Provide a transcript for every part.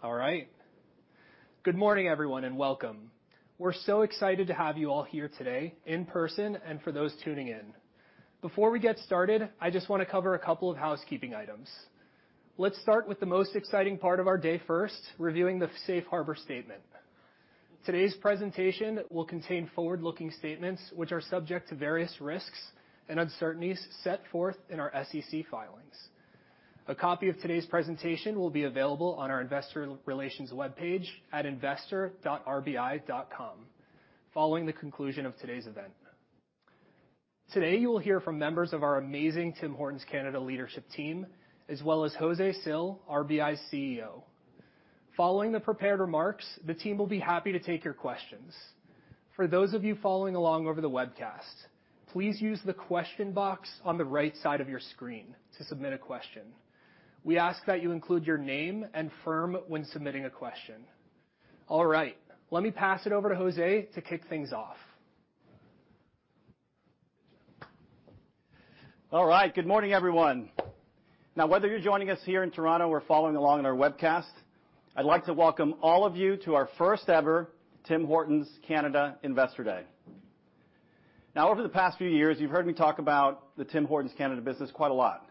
All right. Good morning, everyone, and welcome. We're so excited to have you all here today in person and for those tuning in. Before we get started, I just wanna cover a couple of housekeeping items. Let's start with the most exciting part of our day first, reviewing the safe harbor statement. Today's presentation will contain forward-looking statements which are subject to various risks and uncertainties set forth in our SEC filings. A copy of today's presentation will be available on our investor relations webpage at investor.rbi.com following the conclusion of today's event. Today, you will hear from members of our amazing Tim Hortons Canada leadership team, as well as José Cil, RBI CEO. Following the prepared remarks, the team will be happy to take your questions. For those of you following along over the webcast, please use the question box on the right side of your screen to submit a question. We ask that you include your name and firm when submitting a question. All right, let me pass it over to José to kick things off. All right. Good morning, everyone. Now, whether you're joining us here in Toronto or following along on our webcast, I'd like to welcome all of you to our first ever Tim Hortons Canada Investor Day. Now, over the past few years, you've heard me talk about the Tim Hortons Canada business quite a lot,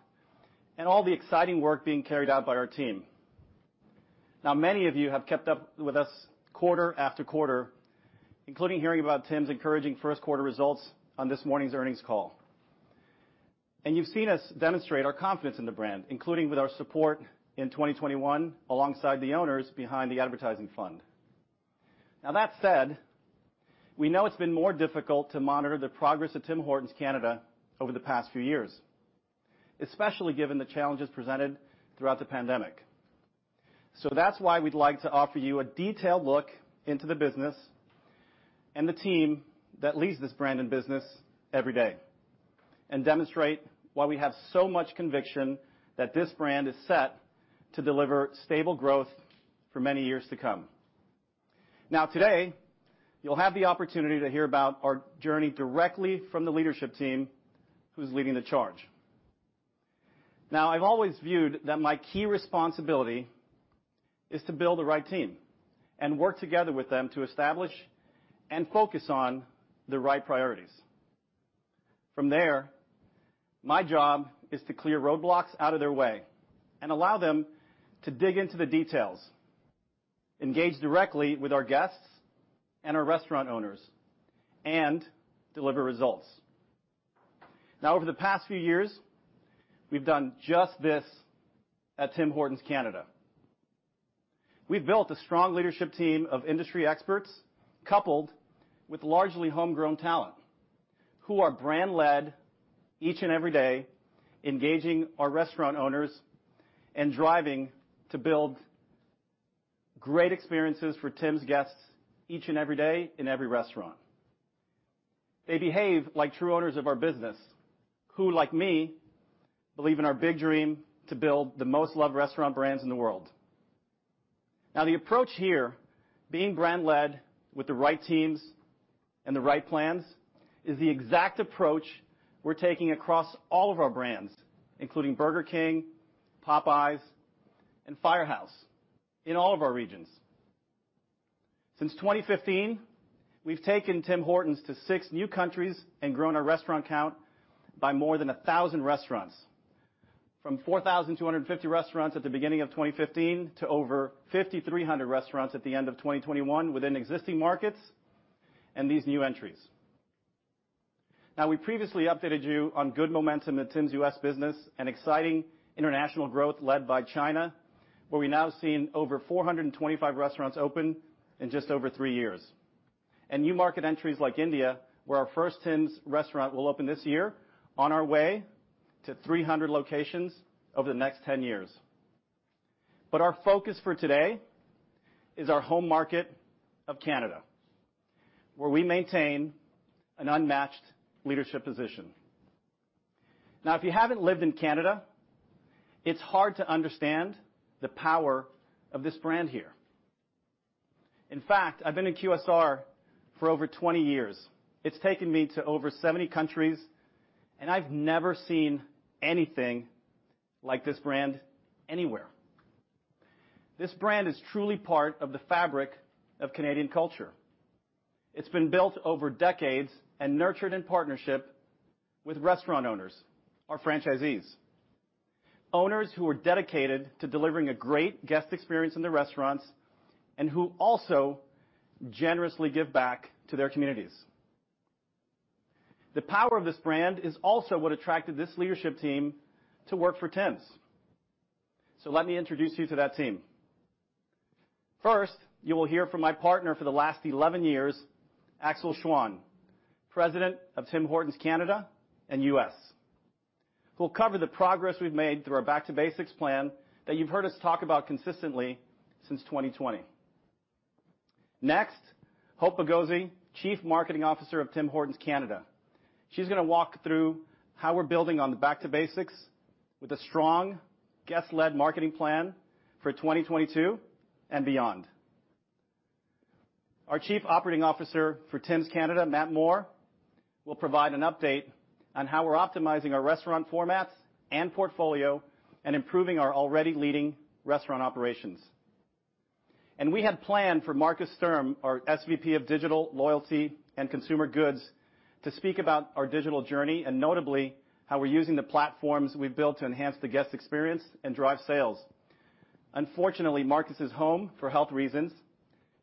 and all the exciting work being carried out by our team. Now, many of you have kept up with us quarter-after-quarter, including hearing about Tim's encouraging first quarter results on this morning's earnings call. You've seen us demonstrate our confidence in the brand, including with our support in 2021 alongside the owners behind the advertising fund. Now that said, we know it's been more difficult to monitor the progress of Tim Hortons Canada over the past few years, especially given the challenges presented throughout the pandemic. That's why we'd like to offer you a detailed look into the business and the team that leads this brand and business every day and demonstrate why we have so much conviction that this brand is set to deliver stable growth for many years to come. Now, today, you'll have the opportunity to hear about our journey directly from the leadership team who's leading the charge. Now, I've always viewed that my key responsibility is to build the right team and work together with them to establish and focus on the right priorities. From there, my job is to clear roadblocks out of their way and allow them to dig into the details, engage directly with our guests and our restaurant owners, and deliver results. Now, over the past few years, we've done just this at Tim Hortons Canada. We've built a strong leadership team of industry experts coupled with largely homegrown talent who are brand-led each and every day, engaging our restaurant owners and driving to build great experiences for Tim's guests each and every day in every restaurant. They behave like true owners of our business, who, like me, believe in our big dream to build the most loved restaurant brands in the world. Now, the approach here, being brand-led with the right teams and the right plans, is the exact approach we're taking across all of our brands, including Burger King, Popeyes, and Firehouse in all of our regions. Since 2015, we've taken Tim Hortons to six new countries and grown our restaurant count by more than a thousand restaurants, from 4,250 restaurants at the beginning of 2015 to over 5,300 restaurants at the end of 2021 within existing markets and these new entries. Now, we previously updated you on good momentum at Tim's U.S. business and exciting international growth led by China, where we've now seen over 425 restaurants open in just over three years. New market entries like India, where our first Tim's restaurant will open this year on our way to 300 locations over the next 10 years. Our focus for today is our home market of Canada, where we maintain an unmatched leadership position. Now, if you haven't lived in Canada, it's hard to understand the power of this brand here. In fact, I've been in QSR for over 20 years. It's taken me to over 70 countries, and I've never seen anything like this brand anywhere. This brand is truly part of the fabric of Canadian culture. It's been built over decades and nurtured in partnership with restaurant owners or franchisees, owners who are dedicated to delivering a great guest experience in the restaurants and who also generously give back to their communities. The power of this brand is also what attracted this leadership team to work for Tim's. Let me introduce you to that team. First, you will hear from my partner for the last 11 years, Axel Schwan, President of Tim Hortons Canada and U.S., who'll cover the progress we've made through our Back to Basics plan that you've heard us talk about consistently since 2020. Next, Hope Bagozzi, Chief Marketing Officer of Tim Hortons Canada. She's gonna walk through how we're building on the Back to Basics with a strong guest-led marketing plan for 2022 and beyond. Our chief operating officer for Tim's Canada, Matt Moore, will provide an update on how we're optimizing our restaurant formats and portfolio and improving our already leading restaurant operations. We had planned for Markus Sturm, our SVP of Digital Loyalty and Consumer Goods, to speak about our digital journey and notably, how we're using the platforms we've built to enhance the guest experience and drive sales. Unfortunately, Markus is home for health reasons.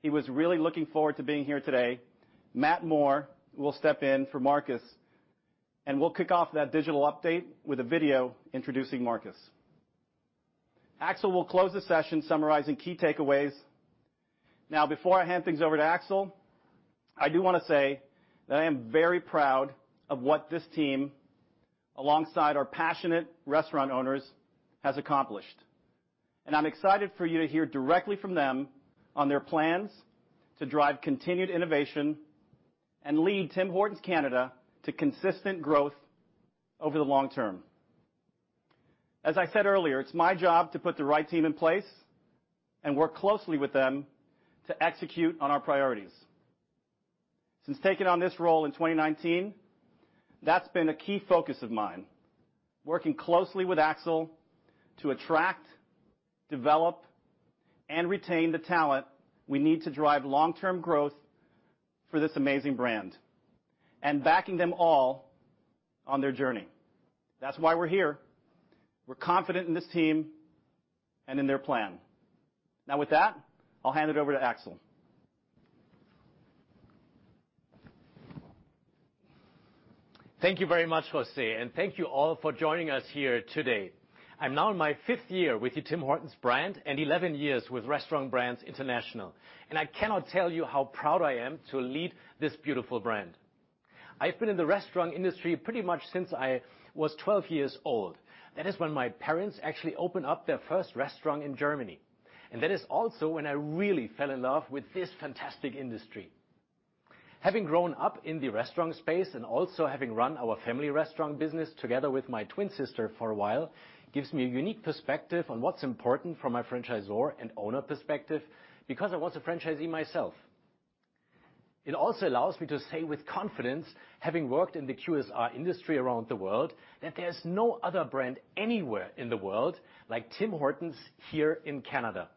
He was really looking forward to being here today. Matt Moore will step in for Markus Sturm, and we'll kick off that digital update with a video introducing Markus Sturm. Axel Schwan will close the session summarizing key takeaways. Now, before I hand things over to Axel Schwan, I do wanna say that I am very proud of what this team, alongside our passionate restaurant owners, has accomplished. I'm excited for you to hear directly from them on their plans to drive continued innovation and lead Tim Hortons Canada to consistent growth over the long term. As I said earlier, it's my job to put the right team in place and work closely with them to execute on our priorities. Since taking on this role in 2019, that's been a key focus of mine, working closely with Axel to attract, develop, and retain the talent we need to drive long-term growth for this amazing brand and backing them all on their journey. That's why we're here. We're confident in this team and in their plan. Now with that, I'll hand it over to Axel. Thank you very much, José, and thank you all for joining us here today. I'm now in my fifth year with the Tim Hortons brand and 11 years with Restaurant Brands International, and I cannot tell you how proud I am to lead this beautiful brand. I've been in the restaurant industry pretty much since I was 12 years old. That is when my parents actually opened up their first restaurant in Germany, and that is also when I really fell in love with this fantastic industry. Having grown up in the restaurant space and also having run our family restaurant business together with my twin sister for a while gives me a unique perspective on what's important from a franchisor and owner perspective because I was a franchisee myself. It also allows me to say with confidence, having worked in the QSR industry around the world, that there's no other brand anywhere in the world like Tim Hortons here in Canada.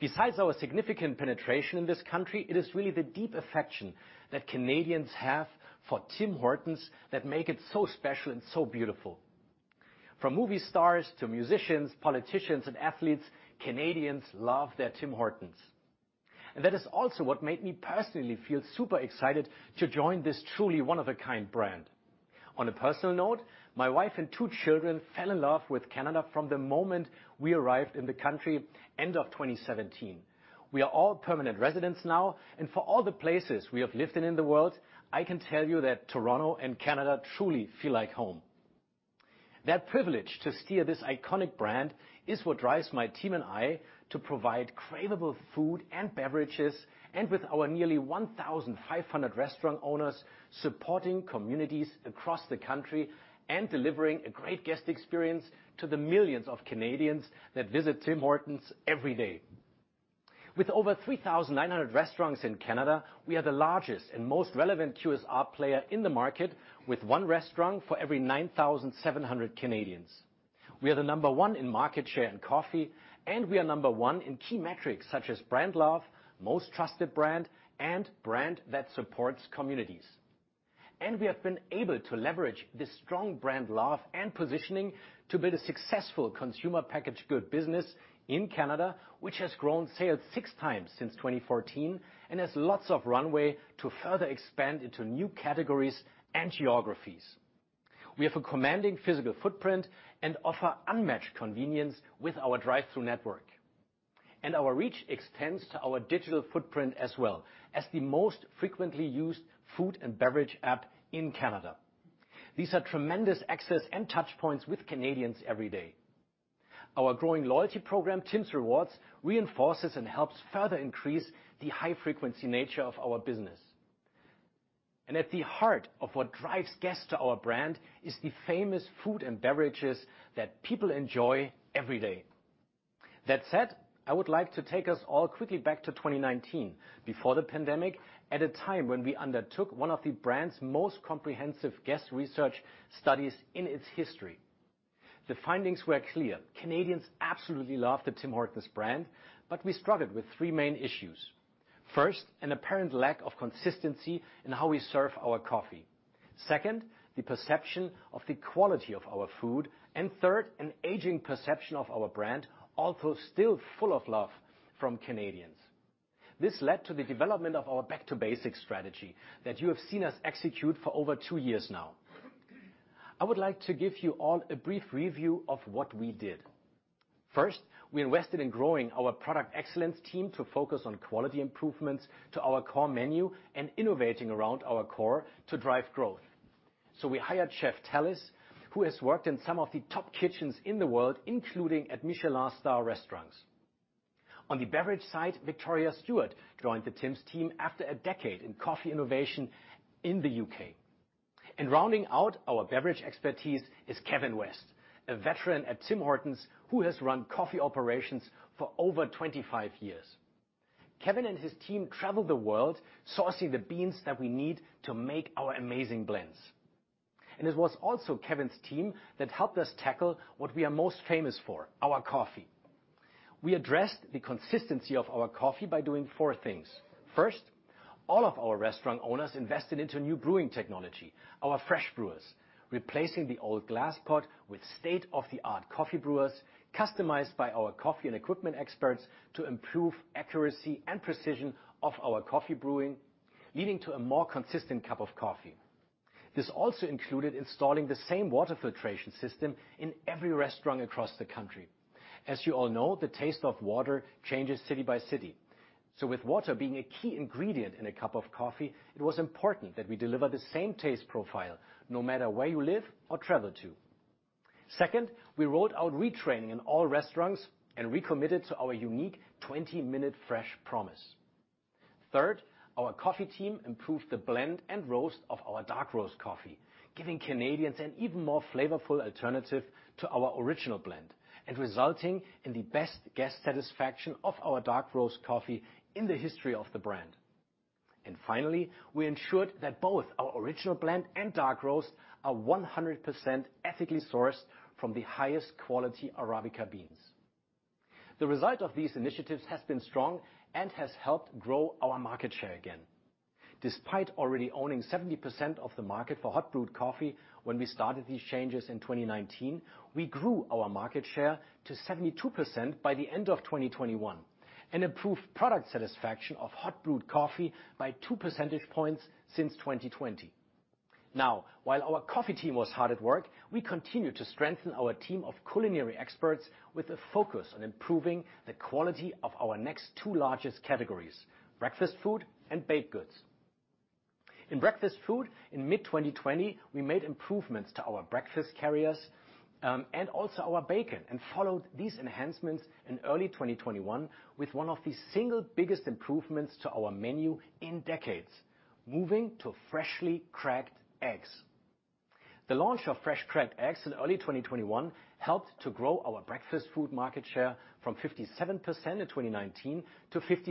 Besides our significant penetration in this country, it is really the deep affection that Canadians have for Tim Hortons that make it so special and so beautiful. From movie stars to musicians, politicians and athletes, Canadians love their Tim Hortons. That is also what made me personally feel super excited to join this truly one-of-a-kind brand. On a personal note, my wife and two children fell in love with Canada from the moment we arrived in the country end of 2017. We are all permanent residents now, and for all the places we have lived in in the world, I can tell you that Toronto and Canada truly feel like home. That privilege to steer this iconic brand is what drives my team and I to provide craveable food and beverages, and with our nearly 1,500 restaurant owners supporting communities across the country and delivering a great guest experience to the millions of Canadians that visit Tim Hortons every day. With over 3,900 restaurants in Canada, we are the largest and most relevant QSR player in the market with one restaurant for every 9,700 Canadians. We are the number one in market share in coffee, and we are number one in key metrics such as brand love, most trusted brand, and brand that supports communities. We have been able to leverage this strong brand love and positioning to build a successful consumer packaged goods business in Canada, which has grown sales six times since 2014 and has lots of runway to further expand into new categories and geographies. We have a commanding physical footprint and offer unmatched convenience with our drive-through network. Our reach extends to our digital footprint as well as the most frequently used food and beverage app in Canada. These are tremendous access and touch points with Canadians every day. Our growing loyalty program, Tims Rewards, reinforces and helps further increase the high frequency nature of our business. At the heart of what drives guests to our brand is the famous food and beverages that people enjoy every day. That said, I would like to take us all quickly back to 2019, before the pandemic, at a time when we undertook one of the brand's most comprehensive guest research studies in its history. The findings were clear. Canadians absolutely loved the Tim Hortons brand, but we struggled with 3 main issues. First, an apparent lack of consistency in how we serve our coffee. Second, the perception of the quality of our food. Third, an aging perception of our brand, although still full of love from Canadians. This led to the development of our Back to Basics strategy that you have seen us execute for over two years now. I would like to give you all a brief review of what we did. First, we invested in growing our product excellence team to focus on quality improvements to our core menu and innovating around our core to drive growth. We hired Chef Tallis Voakes, who has worked in some of the top kitchens in the world, including at Michelin star restaurants. On the beverage side, Victoria Stewart joined the Tims team after a decade in coffee innovation in the UK. Rounding out our beverage expertise is Kevin West, a veteran at Tim Hortons, who has run coffee operations for over 25 years. Kevin and his team travel the world, sourcing the beans that we need to make our amazing blends. It was also Kevin's team that helped us tackle what we are most famous for, our coffee. We addressed the consistency of our coffee by doing four things. First, all of our restaurant owners invested into new brewing technology, our Fresh Brewers, replacing the old glass pot with state-of-the-art coffee brewers, customized by our coffee and equipment experts to improve accuracy and precision of our coffee brewing, leading to a more consistent cup of coffee. This also included installing the same water filtration system in every restaurant across the country. As you all know, the taste of water changes city by city. So with water being a key ingredient in a cup of coffee, it was important that we deliver the same taste profile no matter where you live or travel to. Second, we rolled out retraining in all restaurants and recommitted to our unique 20-minute fresh promise. Third, our coffee team improved the blend and roast of our dark roast coffee, giving Canadians an even more flavorful alternative to our original blend, and resulting in the best guest satisfaction of our dark roast coffee in the history of the brand. Finally, we ensured that both our original blend and dark roast are 100% ethically sourced from the highest quality Arabica beans. The result of these initiatives has been strong and has helped grow our market share again. Despite already owning 70% of the market for hot brewed coffee when we started these changes in 2019, we grew our market share to 72% by the end of 2021, and improved product satisfaction of hot brewed coffee by two percentage points since 2020. Now, while our coffee team was hard at work, we continued to strengthen our team of culinary experts with a focus on improving the quality of our next two largest categories, breakfast food and baked goods. In breakfast food, in mid-2020 we made improvements to our breakfast carriers, and also our bacon, and followed these enhancements in early 2021 with one of the single biggest improvements to our menu in decades, moving to freshly cracked eggs. The launch of fresh cracked eggs in early 2021 helped to grow our breakfast food market share from 57% in 2019 to 59%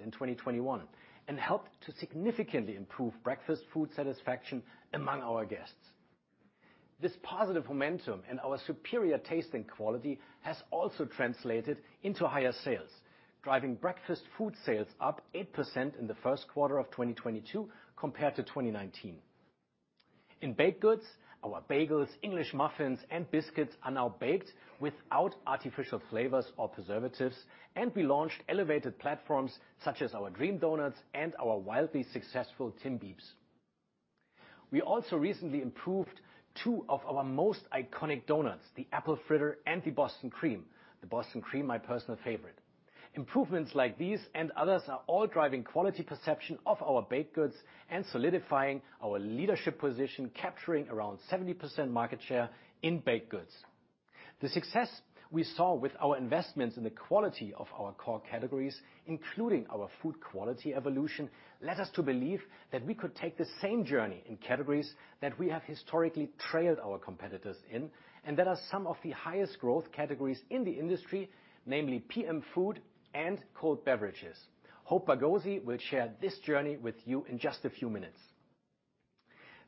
in 2021 and helped to significantly improve breakfast food satisfaction among our guests. This positive momentum and our superior taste and quality has also translated into higher sales, driving breakfast food sales up 8% in the first quarter of 2022 compared to 2019. In baked goods, our bagels, English muffins, and biscuits are now baked without artificial flavors or preservatives, and we launched elevated platforms such as our Dream Donuts and our wildly successful Timbits. We also recently improved two of our most iconic donuts, the Apple Fritter and the Boston Cream. The Boston Cream, my personal favorite. Improvements like these and others are all driving quality perception of our baked goods and solidifying our leadership position, capturing around 70% market share in baked goods. The success we saw with our investments in the quality of our core categories, including our food quality evolution, led us to believe that we could take the same journey in categories that we have historically trailed our competitors in and that are some of the highest growth categories in the industry, namely PM food and cold beverages. Hope Bagozzi will share this journey with you in just a few minutes.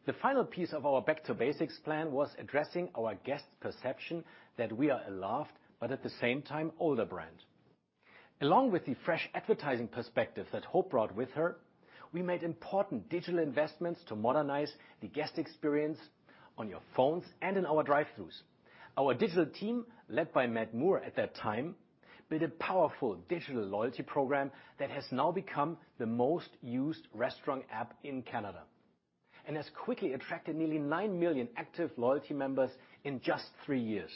The final piece of our back to basics plan was addressing our guests' perception that we are a loved, but at the same time, older brand. Along with the fresh advertising perspective that Hope brought with her, we made important digital investments to modernize the guest experience on your phones and in our drive-throughs. Our digital team, led by Matt Moore at that time, built a powerful digital loyalty program that has now become the most used restaurant app in Canada and has quickly attracted nearly nine million active loyalty members in just three years.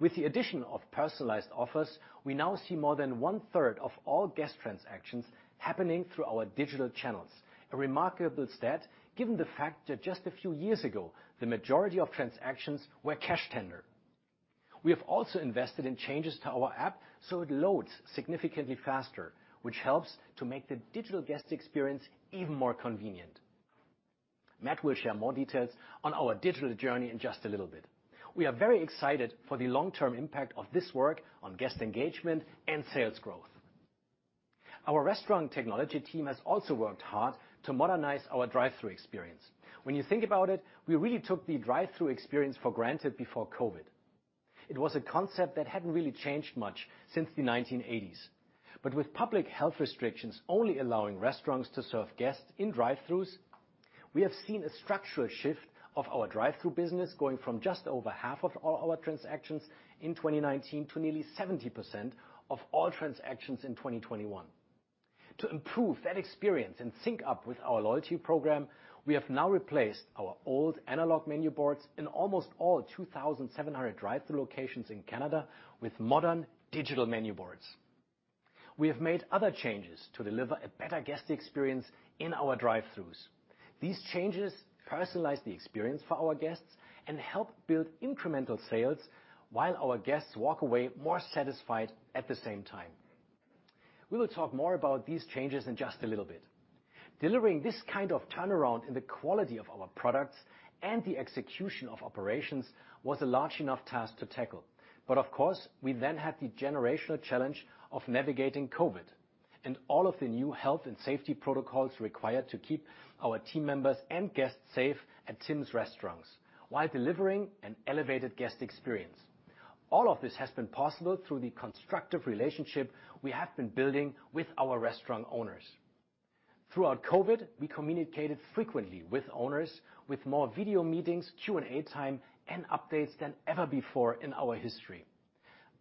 With the addition of personalized offers, we now see more than 1/3 of all guest transactions happening through our digital channels, a remarkable stat given the fact that just a few years ago, the majority of transactions were cash tender. We have also invested in changes to our app so it loads significantly faster, which helps to make the digital guest experience even more convenient. Matt will share more details on our digital journey in just a little bit. We are very excited for the long-term impact of this work on guest engagement and sales growth. Our restaurant technology team has also worked hard to modernize our drive-through experience. When you think about it, we really took the drive-through experience for granted before COVID. It was a concept that hadn't really changed much since the 1980s. With public health restrictions only allowing restaurants to serve guests in drive-throughs, we have seen a structural shift of our drive-through business going from just over half of all our transactions in 2019 to nearly 70% of all transactions in 2021. To improve that experience and sync up with our loyalty program, we have now replaced our old analog menu boards in almost all 2,700 drive-through locations in Canada with modern digital menu boards. We have made other changes to deliver a better guest experience in our drive-throughs. These changes personalize the experience for our guests and help build incremental sales while our guests walk away more satisfied at the same time. We will talk more about these changes in just a little bit. Delivering this kind of turnaround in the quality of our products and the execution of operations was a large enough task to tackle. Of course, we then had the generational challenge of navigating COVID and all of the new health and safety protocols required to keep our team members and guests safe at Tim's restaurants while delivering an elevated guest experience. All of this has been possible through the constructive relationship we have been building with our restaurant owners. Throughout COVID, we communicated frequently with owners with more video meetings, Q&A time, and updates than ever before in our history.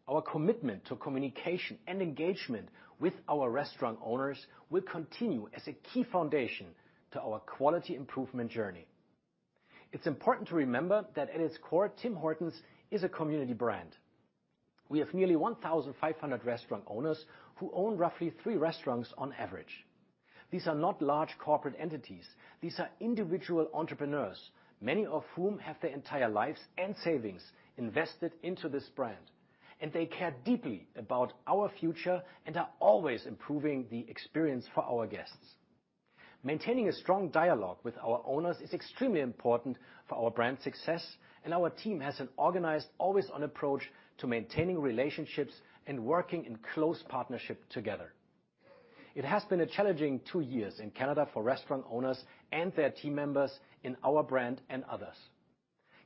Our commitment to communication and engagement with our restaurant owners will continue as a key foundation to our quality improvement journey. It's important to remember that at its core, Tim Hortons is a community brand. We have nearly 1,500 restaurant owners who own roughly 3 restaurants on average. These are not large corporate entities. These are individual entrepreneurs, many of whom have their entire lives and savings invested into this brand, and they care deeply about our future and are always improving the experience for our guests. Maintaining a strong dialogue with our owners is extremely important for our brand success, and our team has an organized, always-on approach to maintaining relationships and working in close partnership together. It has been a challenging two years in Canada for restaurant owners and their team members in our brand and others.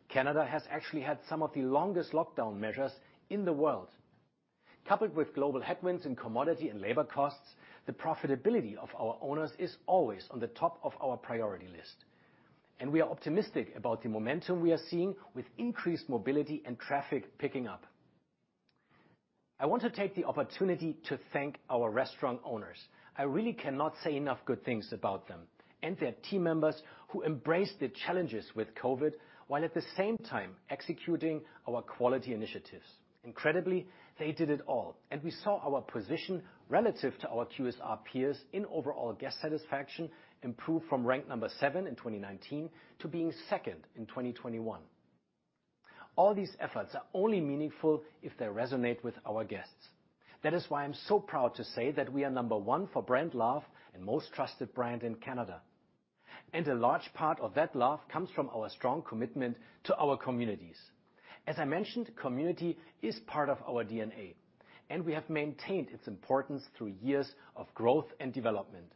Canada has actually had some of the longest lockdown measures in the world. Coupled with global headwinds in commodity and labor costs, the profitability of our owners is always on the top of our priority list, and we are optimistic about the momentum we are seeing with increased mobility and traffic picking up. I want to take the opportunity to thank our restaurant owners. I really cannot say enough good things about them and their team members who embrace the challenges with COVID, while at the same time executing our quality initiatives. Incredibly, they did it all, and we saw our position relative to our QSR peers in overall guest satisfaction improve from rank number seven in 2019 to being second in 2021. All these efforts are only meaningful if they resonate with our guests. That is why I'm so proud to say that we are number one for brand love and most trusted brand in Canada. A large part of that love comes from our strong commitment to our communities. As I mentioned, community is part of our DNA, and we have maintained its importance through years of growth and development.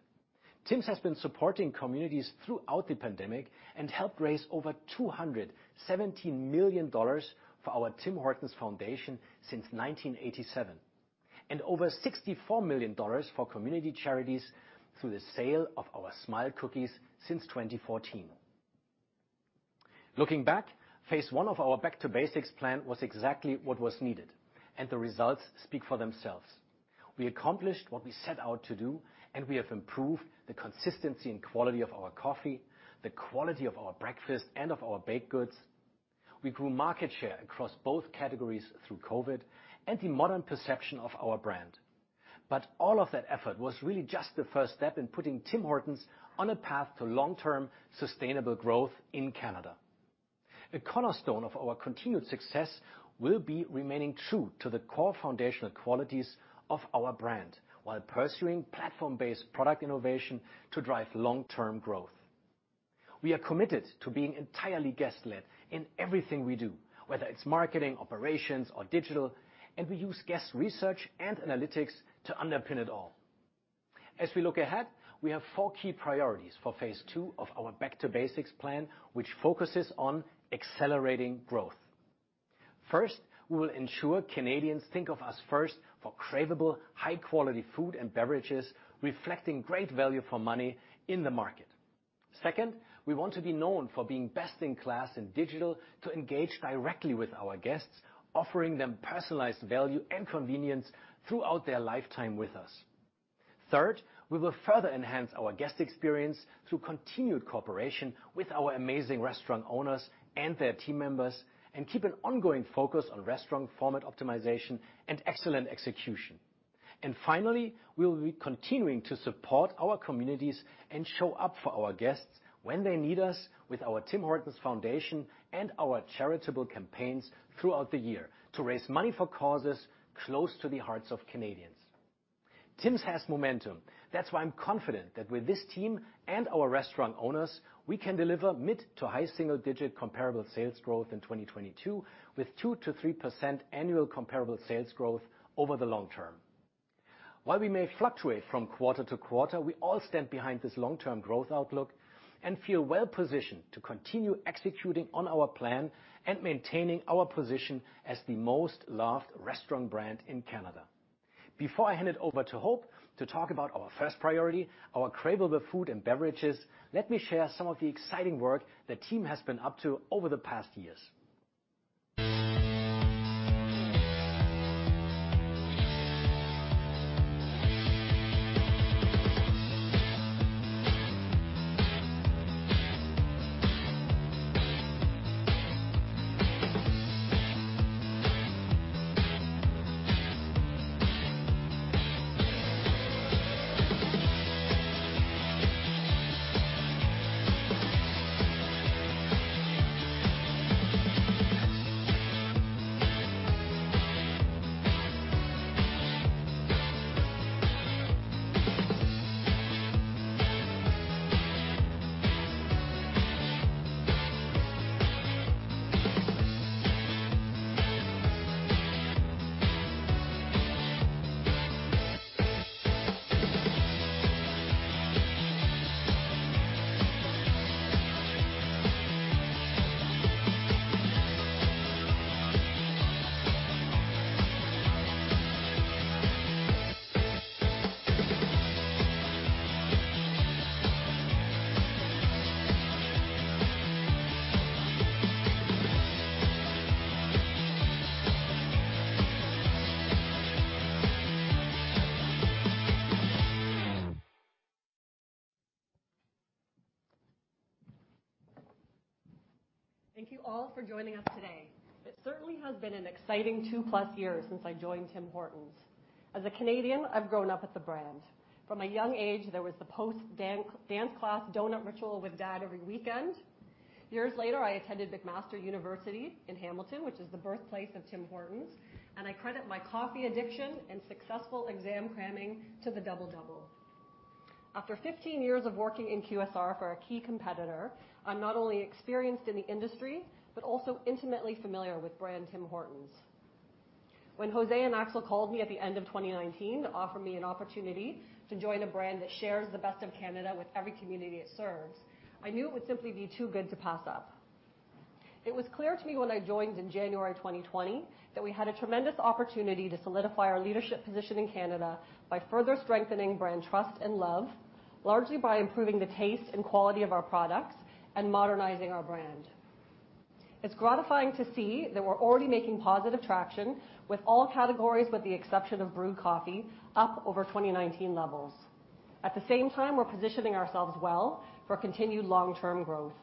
Tim's has been supporting communities throughout the pandemic and helped raise over 217 million dollars for our Tim Hortons Foundation since 1987, and over 64 million dollars for community charities through the sale of our Smile Cookies since 2014. Looking back, phase one of our Back to Basics plan was exactly what was needed, and the results speak for themselves. We accomplished what we set out to do, and we have improved the consistency and quality of our coffee, the quality of our breakfast, and of our baked goods. We grew market share across both categories through COVID and the modern perception of our brand. All of that effort was really just the first step in putting Tim Hortons on a path to long-term sustainable growth in Canada. The cornerstone of our continued success will be remaining true to the core foundational qualities of our brand while pursuing platform-based product innovation to drive long-term growth. We are committed to being entirely guest-led in everything we do, whether it's marketing, operations or digital, and we use guest research and analytics to underpin it all. As we look ahead, we have four key priorities for phase two of our Back to Basics plan, which focuses on accelerating growth. First, we will ensure Canadians think of us first for craveable, high-quality food and beverages reflecting great value for money in the market. Second, we want to be known for being best in class in digital to engage directly with our guests, offering them personalized value and convenience throughout their lifetime with us. Third, we will further enhance our guest experience through continued cooperation with our amazing restaurant owners and their team members and keep an ongoing focus on restaurant format optimization and excellent execution. Finally, we will be continuing to support our communities and show up for our guests when they need us with our Tim Hortons Foundation and our charitable campaigns throughout the year to raise money for causes close to the hearts of Canadians. Tim's has momentum. That's why I'm confident that with this team and our restaurant owners, we can deliver mid- to high-single-digit comparable sales growth in 2022, with 2%-3% annual comparable sales growth over the long term. While we may fluctuate from quarter-to-quarter, we all stand behind this long-term growth outlook and feel well positioned to continue executing on our plan and maintaining our position as the most loved restaurant brand in Canada. Before I hand it over to Hope to talk about our first priority, our craveable food and beverages, let me share some of the exciting work the team has been up to over the past years. Thank you all for joining us today. It certainly has been an exciting two plus years since I joined Tim Hortons. As a Canadian, I've grown up with the brand. From a young age, there was the post-dance class donut ritual with dad every weekend. Years later, I attended McMaster University in Hamilton, which is the birthplace of Tim Hortons, and I credit my coffee addiction and successful exam cramming to the Double-Double. After 15 years of working in QSR for a key competitor, I'm not only experienced in the industry, but also intimately familiar with brand Tim Hortons. When José and Axel called me at the end of 2019 to offer me an opportunity to join a brand that shares the best of Canada with every community it serves, I knew it would simply be too good to pass up. It was clear to me when I joined in January 2020 that we had a tremendous opportunity to solidify our leadership position in Canada by further strengthening brand trust and love, largely by improving the taste and quality of our products and modernizing our brand. It's gratifying to see that we're already making positive traction with all categories, with the exception of brewed coffee, up over 2019 levels. At the same time, we're positioning ourselves well for continued long-term growth.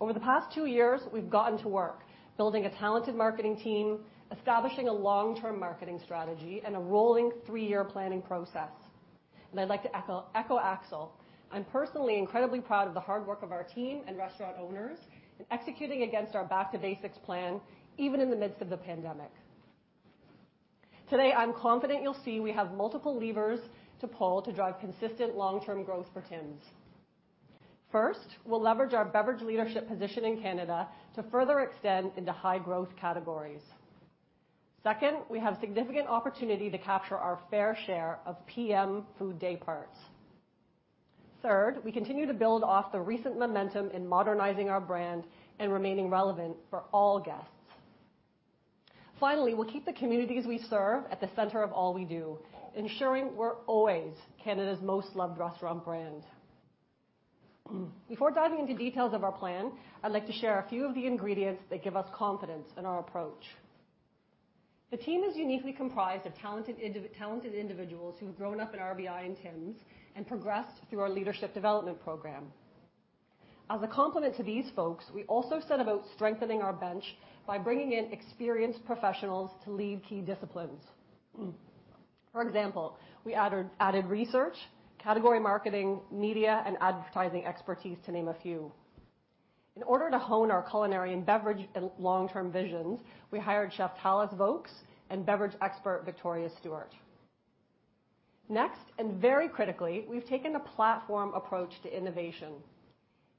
Over the past two years, we've gotten to work building a talented marketing team, establishing a long-term marketing strategy, and a rolling three-year planning process. I'd like to echo Axel. I'm personally incredibly proud of the hard work of our team and restaurant owners in executing against our back-to-basics plan, even in the midst of the pandemic. Today, I'm confident you'll see we have multiple levers to pull to drive consistent long-term growth for Tim's. First, we'll leverage our beverage leadership position in Canada to further extend into high-growth categories. Second, we have significant opportunity to capture our fair share of PM food day parts. Third, we continue to build off the recent momentum in modernizing our brand and remaining relevant for all guests. Finally, we'll keep the communities we serve at the center of all we do, ensuring we're always Canada's most loved restaurant brand. Before diving into details of our plan, I'd like to share a few of the ingredients that give us confidence in our approach. The team is uniquely comprised of talented individuals who've grown up in RBI and Tim's and progressed through our leadership development program. As a complement to these folks, we also set about strengthening our bench by bringing in experienced professionals to lead key disciplines. For example, we added research, category marketing, media, and advertising expertise, to name a few. In order to hone our culinary and beverage and long-term visions, we hired Chef Tallis Voakes and beverage expert Victoria Stewart. Next, and very critically, we've taken a platform approach to innovation.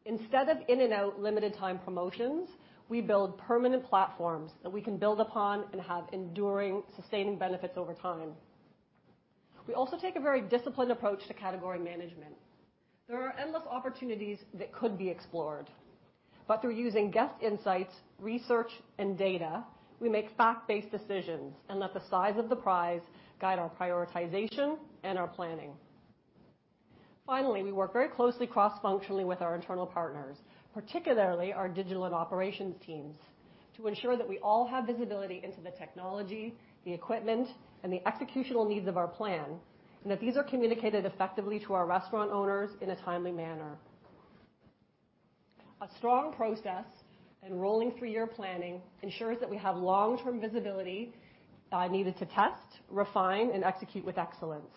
Instead of in and out limited time promotions, we build permanent platforms that we can build upon and have enduring, sustaining benefits over time. We also take a very disciplined approach to category management. There are endless opportunities that could be explored, but through using guest insights, research and data, we make fact-based decisions and let the size of the prize guide our prioritization and our planning. Finally, we work very closely cross-functionally with our internal partners, particularly our digital and operations teams, to ensure that we all have visibility into the technology, the equipment, and the executional needs of our plan, and that these are communicated effectively to our restaurant owners in a timely manner. A strong process and rolling three-year planning ensures that we have long-term visibility needed to test, refine, and execute with excellence.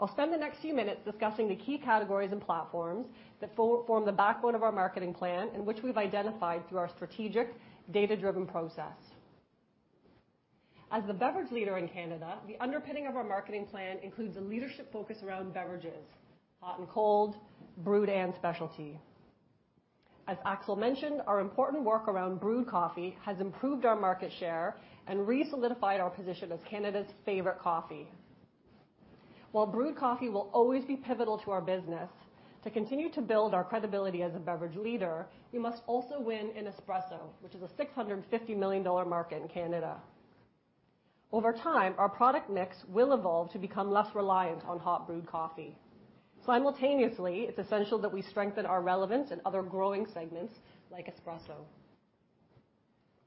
I'll spend the next few minutes discussing the key categories and platforms that form the backbone of our marketing plan and which we've identified through our strategic data-driven process. As the beverage leader in Canada, the underpinning of our marketing plan includes a leadership focus around beverages, hot and cold, brewed and specialty. As Axel mentioned, our important work around brewed coffee has improved our market share and re-solidified our position as Canada's favorite coffee. While brewed coffee will always be pivotal to our business, to continue to build our credibility as a beverage leader, we must also win in espresso, which is a 650 million dollar market in Canada. Over time, our product mix will evolve to become less reliant on hot brewed coffee. Simultaneously, it's essential that we strengthen our relevance in other growing segments like espresso.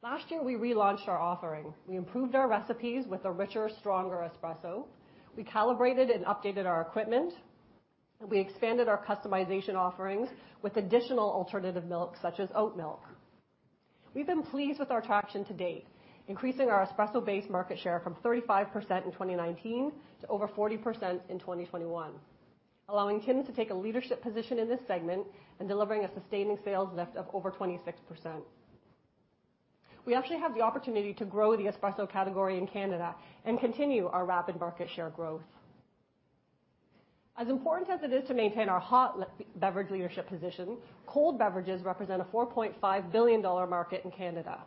Last year, we relaunched our offering. We improved our recipes with a richer, stronger espresso. We calibrated and updated our equipment. We expanded our customization offerings with additional alternative milk, such as oat milk. We've been pleased with our traction to date, increasing our espresso-based market share from 35% in 2019 to over 40% in 2021. Allowing Tim to take a leadership position in this segment and delivering a sustaining sales lift of over 26%. We actually have the opportunity to grow the espresso category in Canada and continue our rapid market share growth. As important as it is to maintain our hot beverage leadership position, cold beverages represent a 4.5 billion dollar market in Canada,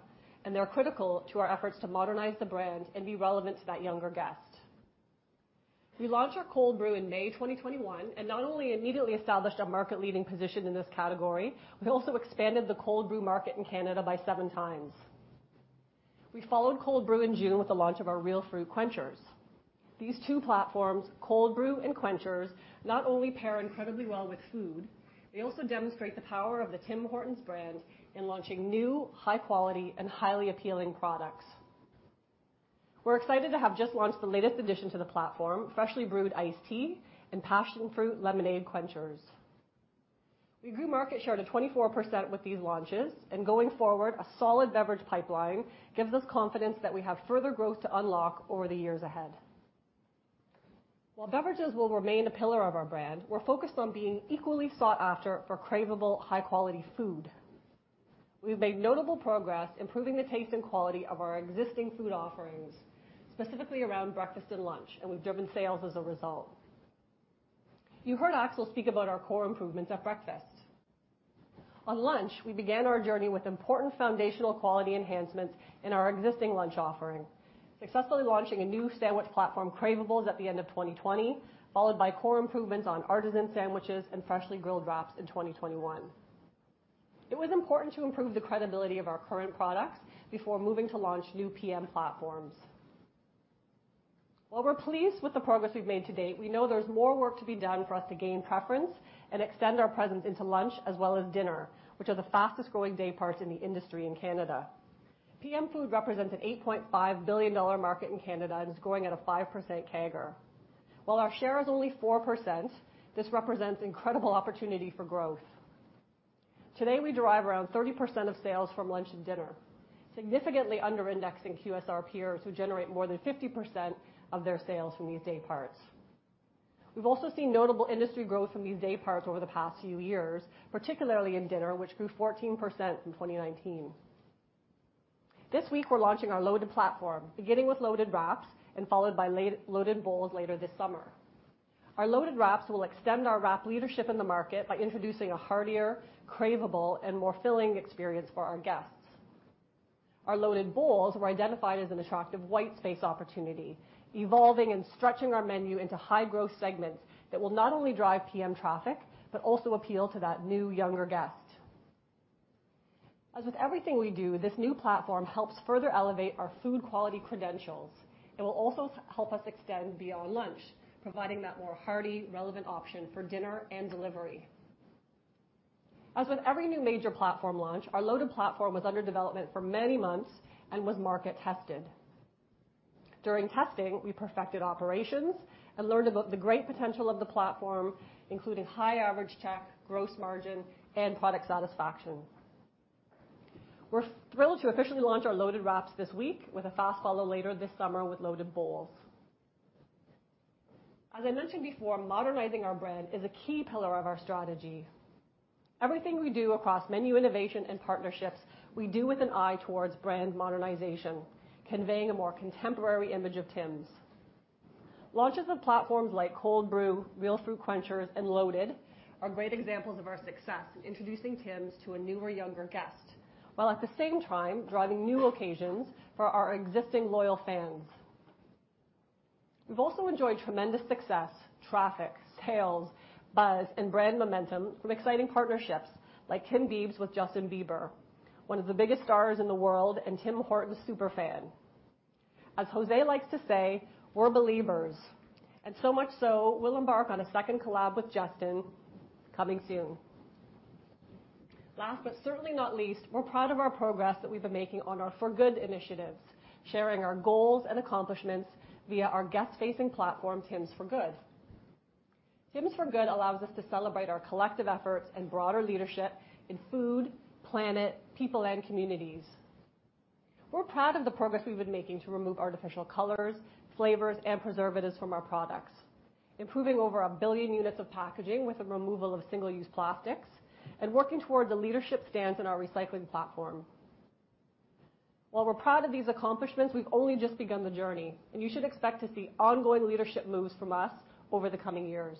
and they are critical to our efforts to modernize the brand and be relevant to that younger guest. We launched our Cold Brew in May 2021, and not only immediately established a market-leading position in this category, we also expanded the Cold Brew market in Canada by seven times. We followed Cold Brew in June with the launch of our Real Fruit Quenchers. These two platforms, Cold Brew and Quenchers, not only pair incredibly well with food, they also demonstrate the power of the Tim Hortons brand in launching new, high quality, and highly appealing products. We're excited to have just launched the latest addition to the platform, Freshly Brewed Iced Tea Quencher and Passion Fruit Tea Lemonade Quencher. We grew market share to 24% with these launches, and going forward, a solid beverage pipeline gives us confidence that we have further growth to unlock over the years ahead. While beverages will remain a pillar of our brand, we're focused on being equally sought after for craveable high-quality food. We've made notable progress improving the taste and quality of our existing food offerings, specifically around breakfast and lunch, and we've driven sales as a result. You heard Axel speak about our core improvements at breakfast. On lunch, we began our journey with important foundational quality enhancements in our existing lunch offering, successfully launching a new sandwich platform, Craveables, at the end of 2020, followed by core improvements on artisan sandwiches and freshly grilled wraps in 2021. It was important to improve the credibility of our current products before moving to launch new PM platforms. While we're pleased with the progress we've made to date, we know there's more work to be done for us to gain preference and extend our presence into lunch as well as dinner, which are the fastest growing day parts in the industry in Canada. PM food represents a 8.5 billion dollar market in Canada and is growing at a 5% CAGR. While our share is only 4%, this represents incredible opportunity for growth. Today, we derive around 30% of sales from lunch and dinner, significantly under-indexing QSR peers who generate more than 50% of their sales from these day parts. We've also seen notable industry growth from these day parts over the past few years, particularly in dinner, which grew 14% in 2019. This week, we're launching our Loaded platform, beginning with Loaded Wraps and followed by Loaded Bowls later this summer. Our Loaded Wraps will extend our wrap leadership in the market by introducing a heartier, craveable, and more filling experience for our guests. Our Loaded Bowls were identified as an attractive white space opportunity, evolving and stretching our menu into high-growth segments that will not only drive PM traffic, but also appeal to that new younger guest. As with everything we do, this new platform helps further elevate our food quality credentials. It will also help us extend beyond lunch, providing that more hearty, relevant option for dinner and delivery. As with every new major platform launch, our Loaded platform was under development for many months and was market-tested. During testing, we perfected operations and learned about the great potential of the platform, including high average check, gross margin, and product satisfaction. We're thrilled to officially launch our Loaded Wraps this week with a fast follow later this summer with Loaded Bowls. As I mentioned before, modernizing our brand is a key pillar of our strategy. Everything we do across menu innovation and partnerships, we do with an eye towards brand modernization, conveying a more contemporary image of Tims. Launches of platforms like Cold Brew, Real Fruit Quenchers, and Loaded are great examples of our success in introducing Tims to a newer, younger guest, while at the same time driving new occasions for our existing loyal fans. We've also enjoyed tremendous success, traffic, sales, buzz, and brand momentum from exciting partnerships like Timbiebs with Justin Bieber, one of the biggest stars in the world and Tim Hortons super fan. As José likes to say, we're Beliebers, and so much so, we'll embark on a second collab with Justin coming soon. Last, but certainly not least, we're proud of our progress that we've been making on our For Good initiatives, sharing our goals and accomplishments via our guest-facing platform, Tims For Good. Tims For Good allows us to celebrate our collective efforts and broader leadership in food, planet, people, and communities. We're proud of the progress we've been making to remove artificial colors, flavors, and preservatives from our products, improving over 1 billion units of packaging with the removal of single-use plastics, and working towards a leadership stance on our recycling platform. While we're proud of these accomplishments, we've only just begun the journey, and you should expect to see ongoing leadership moves from us over the coming years.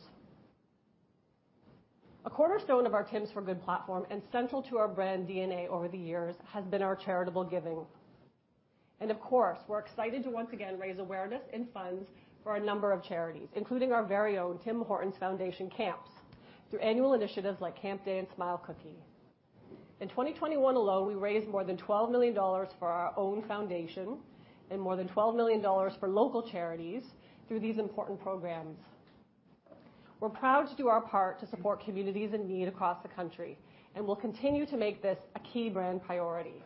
A cornerstone of our Tims For Good platform and central to our brand DNA over-the-years has been our charitable giving. Of course, we're excited to once again raise awareness and funds for a number of charities, including our very own Tim Hortons Foundation Camps, through annual initiatives like Camp Day and Smile Cookie. In 2021 alone, we raised more than $12 million for our own foundation and more than $12 million for local charities through these important programs. We're proud to do our part to support communities in need across the country, and we'll continue to make this a key brand priority.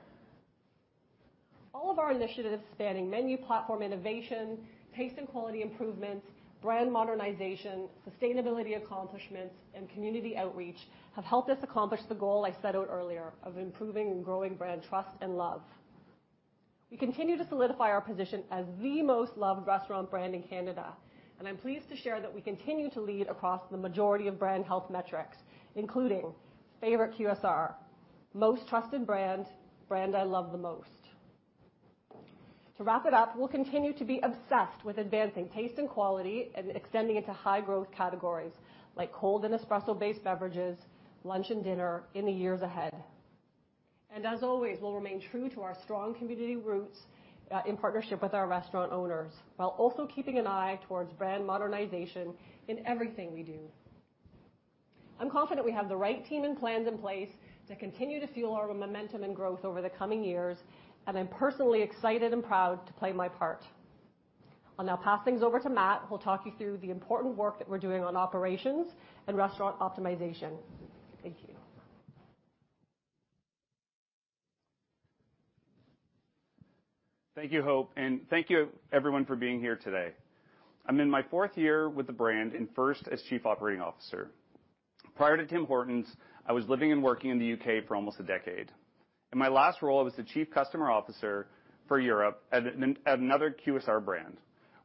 All of our initiatives spanning menu platform innovation, taste and quality improvements, brand modernization, sustainability accomplishments, and community outreach have helped us accomplish the goal I set out earlier of improving and growing brand trust and love. We continue to solidify our position as the most loved restaurant brand in Canada, and I'm pleased to share that we continue to lead across the majority of brand health metrics, including favorite QSR, most trusted brand I love the most. To wrap it up, we'll continue to be obsessed with advancing taste and quality and extending into high growth categories like cold and espresso-based beverages, lunch and dinner in the years ahead. As always, we'll remain true to our strong community roots, in partnership with our restaurant owners, while also keeping an eye towards brand modernization in everything we do. I'm confident we have the right team and plans in place to continue to fuel our momentum and growth over the coming years, and I'm personally excited and proud to play my part. I'll now pass things over to Matt, who'll talk you through the important work that we're doing on operations and restaurant optimization. Thank you. Thank you, Hope, and thank you everyone for being here today. I'm in my fourth year with the brand and first as Chief Operating Officer. Prior to Tim Hortons, I was living and working in the U.K. for almost a decade. In my last role, I was the Chief Customer Officer for Europe at another QSR brand,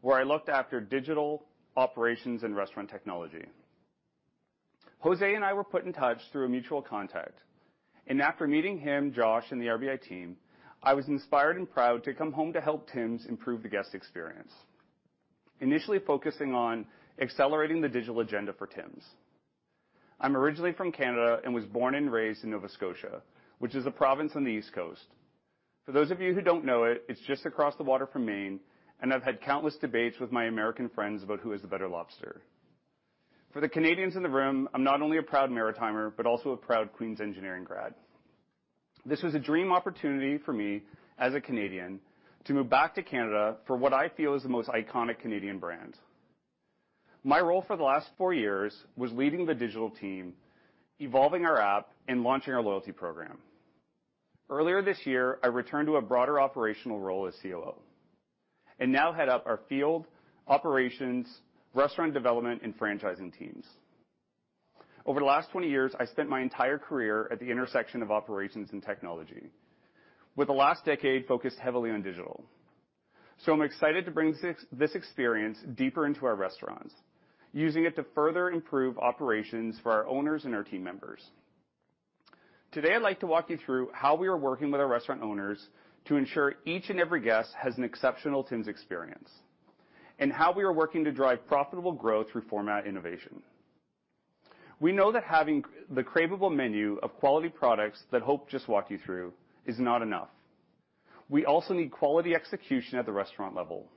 where I looked after digital operations and restaurant technology. José and I were put in touch through a mutual contact, and after meeting him, Josh, and the RBI team, I was inspired and proud to come home to help Tim's improve the guest experience. Initially focusing on accelerating the digital agenda for Tim's. I'm originally from Canada and was born and raised in Nova Scotia, which is a province on the East Coast. For those of you who don't know it's just across the water from Maine, and I've had countless debates with my American friends about who has the better lobster. For the Canadians in the room, I'm not only a proud Maritimer, but also a proud Queen's Engineering grad. This was a dream opportunity for me as a Canadian to move back to Canada for what I feel is the most iconic Canadian brand. My role for the last four years was leading the digital team, evolving our app, and launching our loyalty program. Earlier this year, I returned to a broader operational role as COO, and now head up our field, operations, restaurant development, and franchising teams. Over the last 20 years, I spent my entire career at the intersection of operations and technology, with the last decade focused heavily on digital. I'm excited to bring this experience deeper into our restaurants, using it to further improve operations for our owners and our team members. Today, I'd like to walk you through how we are working with our restaurant owners to ensure each and every guest has an exceptional Tims experience, and how we are working to drive profitable growth through format innovation. We know that having the craveable menu of quality products that Hope just walked you through is not enough. We also need quality execution at the restaurant level.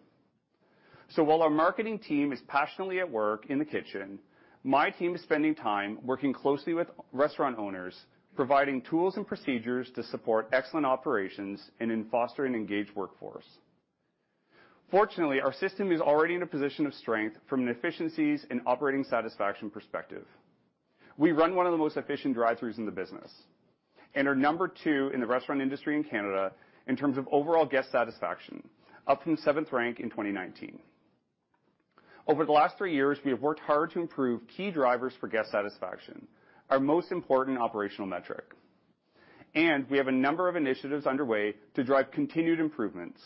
While our marketing team is passionately at work in the kitchen, my team is spending time working closely with restaurant owners, providing tools and procedures to support excellent operations and in fostering engaged workforce. Fortunately, our system is already in a position of strength from an efficiencies and operating satisfaction perspective. We run one of the most efficient drive-throughs in the business, and are number two in the restaurant industry in Canada in terms of overall guest satisfaction, up from seventh rank in 2019. Over the last three years, we have worked hard to improve key drivers for guest satisfaction, our most important operational metric. We have a number of initiatives underway to drive continued improvements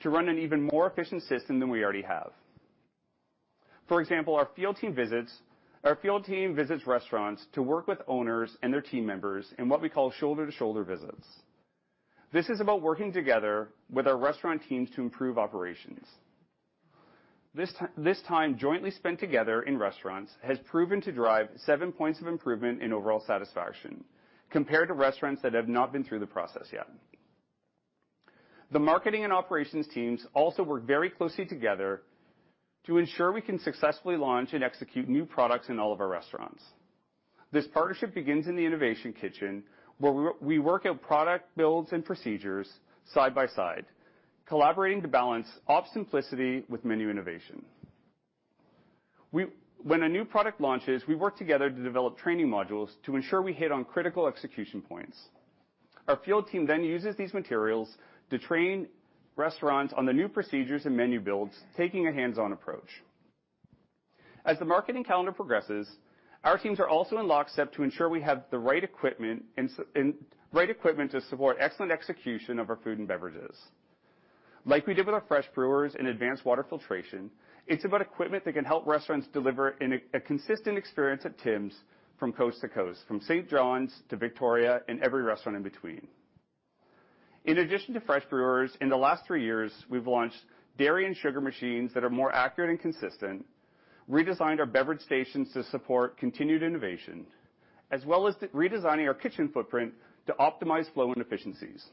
to run an even more efficient system than we already have. For example, our field team visits restaurants to work with owners and their team members in what we call shoulder-to-shoulder visits. This is about working together with our restaurant teams to improve operations. This time jointly spent together in restaurants has proven to drive 7 points of improvement in overall satisfaction compared to restaurants that have not been through the process yet. The marketing and operations teams also work very closely together to ensure we can successfully launch and execute new products in all of our restaurants. This partnership begins in the innovation kitchen, where we work out product builds and procedures side by side, collaborating to balance op simplicity with menu innovation. When a new product launches, we work together to develop training modules to ensure we hit on critical execution points. Our field team then uses these materials to train restaurants on the new procedures and menu builds, taking a hands-on approach. As the marketing calendar progresses, our teams are also in lockstep to ensure we have the right equipment to support excellent execution of our food and beverages. Like we did with our fresh brewers and advanced water filtration, it's about equipment that can help restaurants deliver a consistent experience at Tims from coast to coast, from St. John's to Victoria, and every restaurant in between. In addition to fresh brewers, in the last three years, we've launched dairy and sugar machines that are more accurate and consistent, redesigned our beverage stations to support continued innovation, as well as redesigning our kitchen footprint to optimize flow and efficiencies.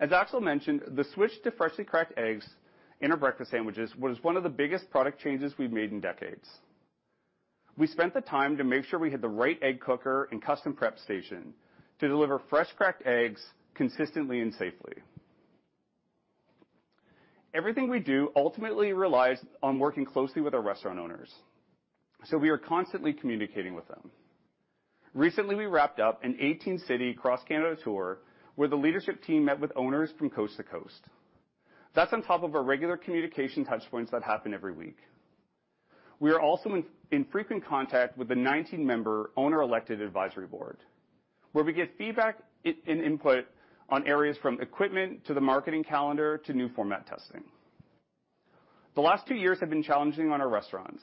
As Axel mentioned, the switch to freshly cracked eggs in our breakfast sandwiches was one of the biggest product changes we've made in decades. We spent the time to make sure we had the right egg cooker and custom prep station to deliver fresh cracked eggs consistently and safely. Everything we do ultimately relies on working closely with our restaurant owners, so we are constantly communicating with them. Recently, we wrapped up an 18-city cross-Canada tour where the leadership team met with owners from coast to coast. That's on top of our regular communication touch points that happen every week. We are also in frequent contact with the 19-member owner elected advisory board, where we get feedback in input on areas from equipment to the marketing calendar to new format testing. The last two years have been challenging on our restaurants,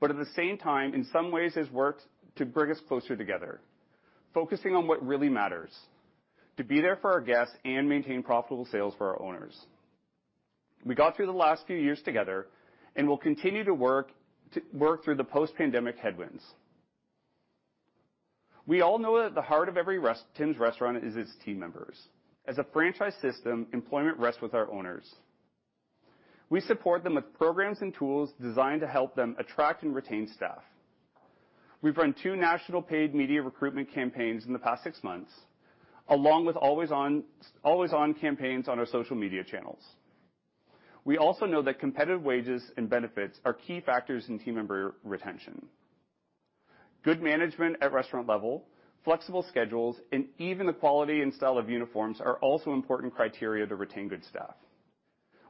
but at the same time, in some ways has worked to bring us closer together, focusing on what really matters, to be there for our guests and maintain profitable sales for our owners. We got through the last few years together and will continue to work through the post-pandemic headwinds. We all know that at the heart of every Tim's restaurant is its team members. As a franchise system, employment rests with our owners. We support them with programs and tools designed to help them attract and retain staff. We've run two national paid media recruitment campaigns in the past six months, along with always on campaigns on our social media channels. We also know that competitive wages and benefits are key factors in team member retention. Good management at restaurant level, flexible schedules, and even the quality and style of uniforms are also important criteria to retain good staff.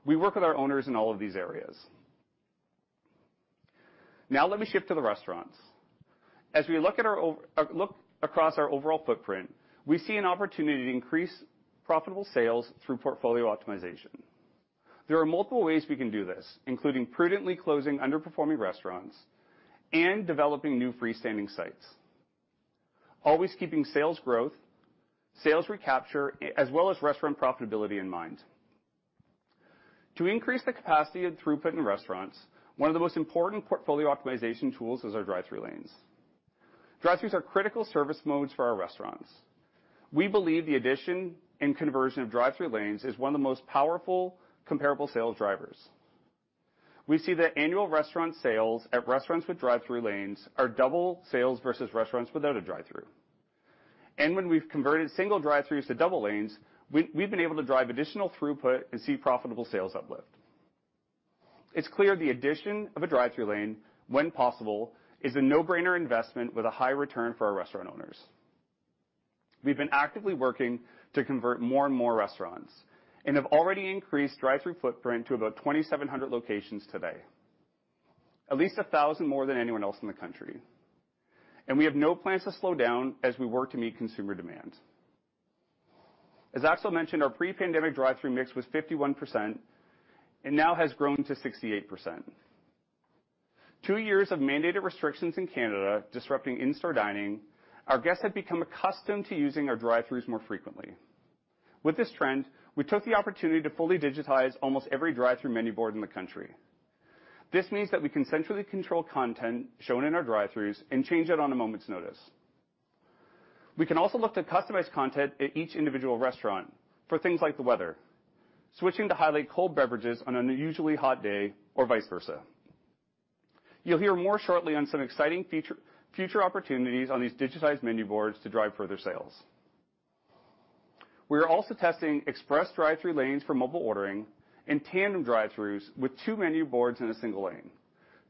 We work with our owners in all of these areas. Now let me shift to the restaurants. As we look across our overall footprint, we see an opportunity to increase profitable sales through portfolio optimization. There are multiple ways we can do this, including prudently closing underperforming restaurants and developing new freestanding sites, always keeping sales growth, sales recapture, as well as restaurant profitability in mind. To increase the capacity and throughput in restaurants, one of the most important portfolio optimization tools is our drive-thru lanes. Drive-thrus are critical service modes for our restaurants. We believe the addition and conversion of drive-thru lanes is one of the most powerful comparable sales drivers. We see that annual restaurant sales at restaurants with drive-thru lanes are double sales versus restaurants without a drive-thru. When we've converted single drive-thrus to double lanes, we've been able to drive additional throughput and see profitable sales uplift. It's clear the addition of a drive-thru lane, when possible, is a no-brainer investment with a high return for our restaurant owners. We've been actively working to convert more and more restaurants and have already increased drive-thru footprint to about 2,700 locations today, at least 1,000 more than anyone else in the country. We have no plans to slow down as we work to meet consumer demand. As Axel mentioned, our pre-pandemic drive-thru mix was 51% and now has grown to 68%. Two years of mandated restrictions in Canada disrupting in-store dining, our guests have become accustomed to using our drive-thrus more frequently. With this trend, we took the opportunity to fully digitize almost every drive-thru menu board in the country. This means that we can centrally control content shown in our drive-thrus and change it on a moment's notice. We can also look to customize content at each individual restaurant for things like the weather, switching to highlight cold beverages on an unusually hot day or vice versa. You'll hear more shortly on some exciting future opportunities on these digitized menu boards to drive further sales. We are also testing express drive-thru lanes for mobile ordering and tandem drive-thrus with two menu boards in a single lane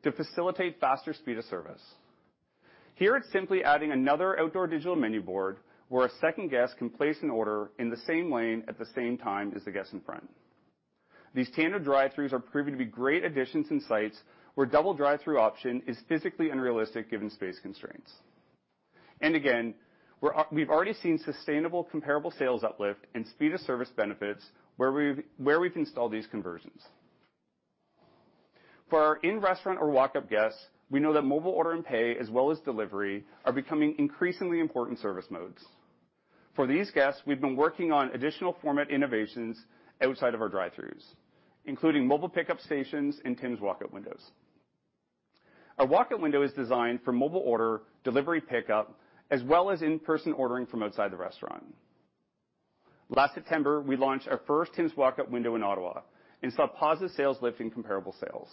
to facilitate faster speed of service. Here, it's simply adding another outdoor digital menu board where a second guest can place an order in the same lane at the same time as the guest in front. These tandem drive-thrus are proving to be great additions in sites where double drive-thru option is physically unrealistic given space constraints. Again, we've already seen sustainable comparable sales uplift and speed of service benefits where we've installed these conversions. For our in-restaurant or walk-up guests, we know that mobile order and pay, as well as delivery, are becoming increasingly important service modes. For these guests, we've been working on additional format innovations outside of our drive-thrus, including mobile pickup stations and Tim's walk-up windows. Our walk-up window is designed for mobile order, delivery pickup, as well as in-person ordering from outside the restaurant. Last September, we launched our first Tim's walk-up window in Ottawa and saw positive sales lift in comparable sales.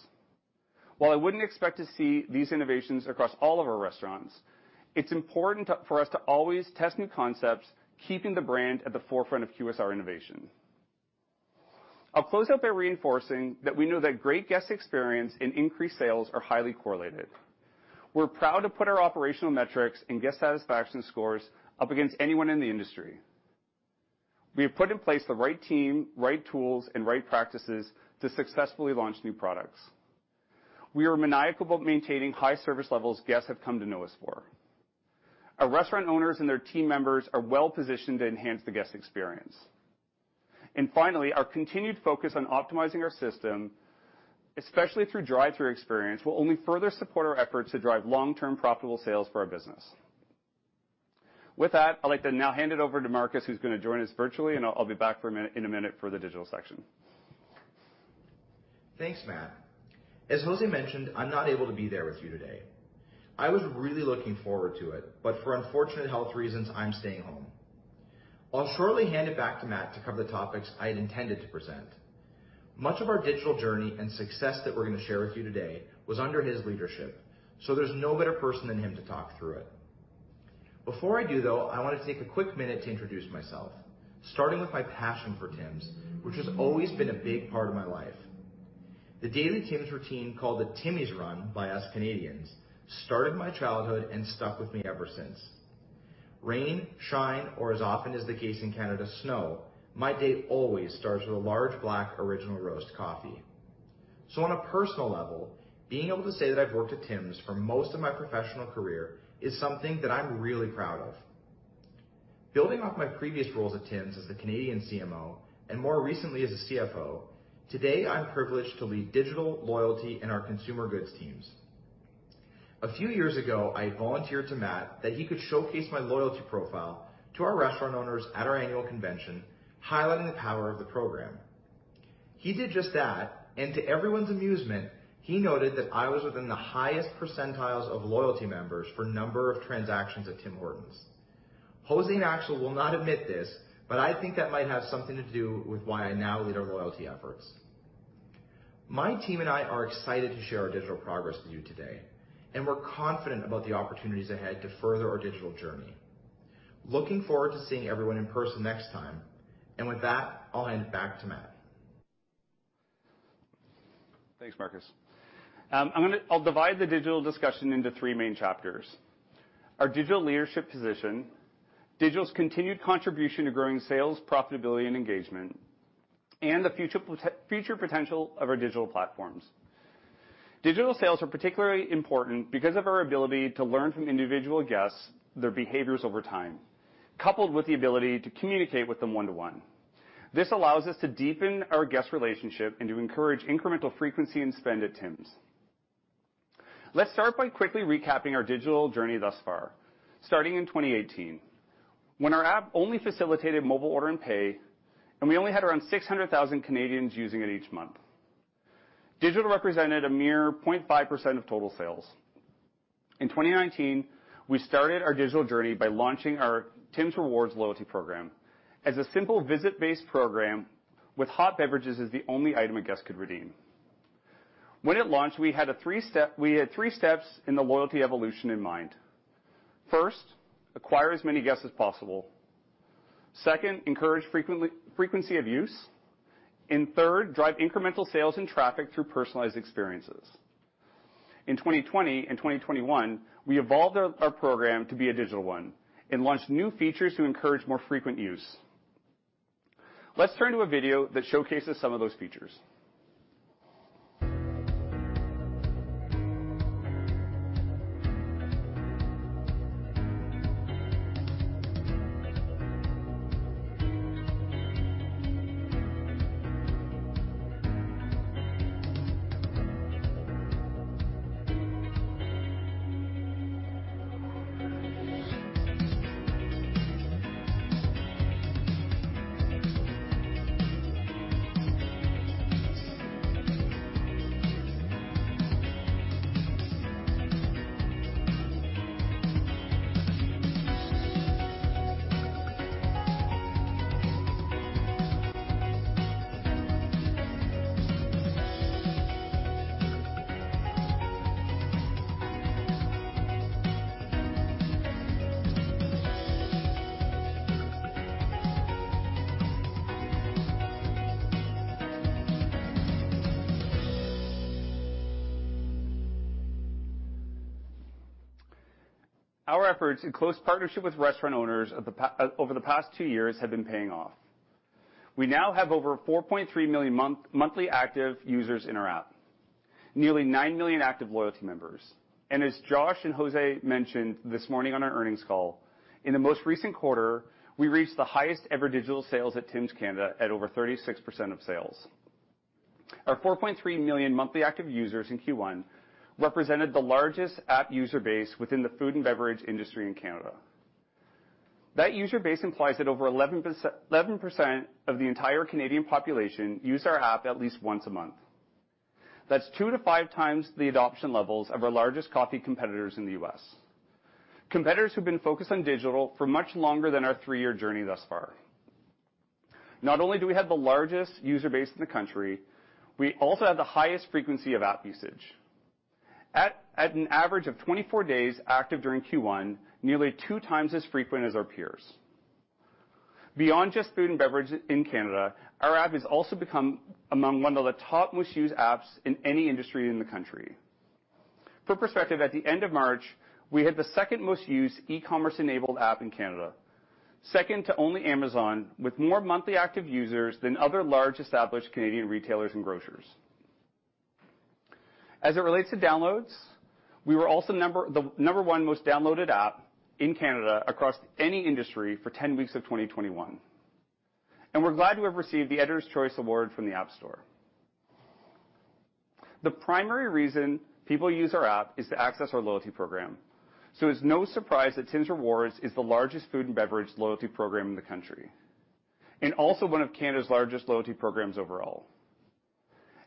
While I wouldn't expect to see these innovations across all of our restaurants, it's important for us to always test new concepts, keeping the brand at the forefront of QSR innovation. I'll close out by reinforcing that we know that great guest experience and increased sales are highly correlated. We're proud to put our operational metrics and guest satisfaction scores up against anyone in the industry. We have put in place the right team, right tools, and right practices to successfully launch new products. We are maniacal about maintaining high service levels guests have come to know us for. Our restaurant owners and their team members are well-positioned to enhance the guest experience. Finally, our continued focus on optimizing our system, especially through drive-thru experience, will only further support our efforts to drive long-term profitable sales for our business. With that, I'd like to now hand it over to Markus, who's gonna join us virtually, and I'll be back in a minute for the digital section. Thanks, Matt. As José mentioned, I'm not able to be there with you today. I was really looking forward to it, but for unfortunate health reasons, I'm staying home. I'll shortly hand it back to Matt to cover the topics I had intended to present. Much of our digital journey and success that we're gonna share with you today was under his leadership, so there's no better person than him to talk through it. Before I do, though, I wanna take a quick minute to introduce myself, starting with my passion for Tim's, which has always been a big part of my life. The daily Tim's routine, called the Timmy's Run by us Canadians, started my childhood and stuck with me ever since. Rain, shine, or as often is the case in Canada, snow, my day always starts with a large black original roast coffee. On a personal level, being able to say that I've worked at Tim's for most of my professional career is something that I'm really proud of. Building off my previous roles at Tim's as the Canadian CMO and more recently as a CFO, today I'm privileged to lead digital loyalty in our consumer goods teams. A few years ago, I volunteered to Matt that he could showcase my loyalty profile to our restaurant owners at our annual convention, highlighting the power of the program. He did just that, and to everyone's amusement, he noted that I was within the highest percentiles of loyalty members for number of transactions at Tim Hortons. José and Axel will not admit this, but I think that might have something to do with why I now lead our loyalty efforts. My team and I are excited to share our digital progress with you today, and we're confident about the opportunities ahead to further our digital journey. Looking forward to seeing everyone in person next time, and with that, I'll hand it back to Matt. Thanks, Markus. I'll divide the digital discussion into three main chapters, our digital leadership position, digital's continued contribution to growing sales, profitability, and engagement, and the future potential of our digital platforms. Digital sales are particularly important because of our ability to learn from individual guests their behaviors over time, coupled with the ability to communicate with them one to one. This allows us to deepen our guest relationship and to encourage incremental frequency and spend at Tim's. Let's start by quickly recapping our digital journey thus far, starting in 2018 when our app only facilitated mobile order and pay, and we only had around 600,000 Canadians using it each month. Digital represented a mere 0.5% of total sales. In 2019, we started our digital journey by launching our Tims Rewards loyalty program as a simple visit-based program with hot beverages as the only item a guest could redeem. When it launched, we had three steps in the loyalty evolution in mind. First, acquire as many guests as possible. Second, encourage frequency of use. Third, drive incremental sales and traffic through personalized experiences. In 2020 and 2021, we evolved our program to be a digital one and launched new features to encourage more frequent use. Let's turn to a video that showcases some of those features. Our efforts in close partnership with restaurant owners over the past two years have been paying off. We now have over 4.3 million monthly active users in our app, nearly nine million active loyalty members. As Josh and José mentioned this morning on our earnings call, in the most recent quarter, we reached the highest ever digital sales at Tim's Canada at over 36% of sales. Our 4.3 million monthly active users in Q1 represented the largest app user base within the food and beverage industry in Canada. That user base implies that over 11% of the entire Canadian population use our app at least once a month. That's two to five times the adoption levels of our largest coffee competitors in the U.S. Competitors who've been focused on digital for much longer than our three-year journey thus far. Not only do we have the largest user base in the country, we also have the highest frequency of app usage. At an average of 24 days active during Q1, nearly two times as frequent as our peers. Beyond just food and beverage in Canada, our app has also become among one of the top most used apps in any industry in the country. For perspective, at the end of March, we had the second most used e-commerce enabled app in Canada, second to only Amazon, with more monthly active users than other large established Canadian retailers and grocers. As it relates to downloads, we were also the number one most downloaded app in Canada across any industry for 10 weeks of 2021, and we're glad to have received the Editors' Choice Award from the App Store. The primary reason people use our app is to access our loyalty program, so it's no surprise that Tims Rewards is the largest food and beverage loyalty program in the country, and also one of Canada's largest loyalty programs overall.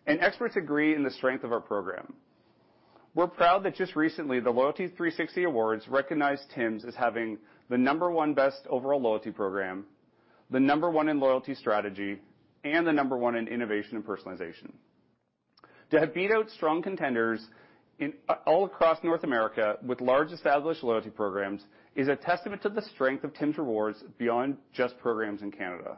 Experts agree on the strength of our program. We're proud that just recently, the Loyalty360 Awards recognized Tim's as having the number one best overall loyalty program, the number one in loyalty strategy, and the number one in innovation and personalization. To have beat out strong contenders in all across North America with large established loyalty programs is a testament to the strength of Tims Rewards beyond just programs in Canada.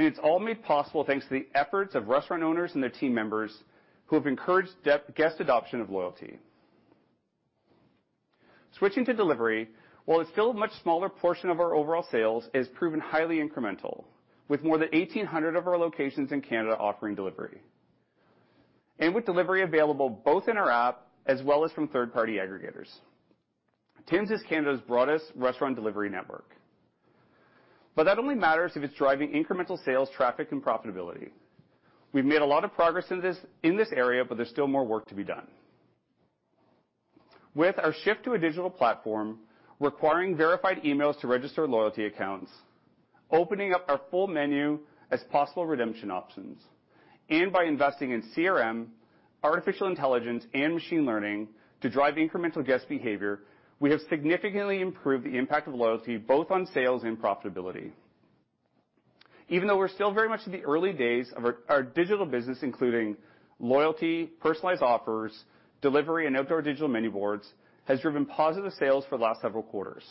It's all made possible thanks to the efforts of restaurant owners and their team members who have encouraged guest adoption of loyalty. Switching to delivery, while it's still a much smaller portion of our overall sales, it has proven highly incremental, with more than 1,800 of our locations in Canada offering delivery. With delivery available both in our app as well as from third-party aggregators, Tim's is Canada's broadest restaurant delivery network. That only matters if it's driving incremental sales, traffic, and profitability. We've made a lot of progress in this area, but there's still more work to be done. With our shift to a digital platform, requiring verified emails to register loyalty accounts, opening up our full menu as possible redemption options, and by investing in CRM, artificial intelligence, and machine learning to drive incremental guest behavior, we have significantly improved the impact of loyalty, both on sales and profitability. Even though we're still very much in the early days of our digital business, including loyalty, personalized offers, delivery, and outdoor digital menu boards, has driven positive sales for the last several quarters.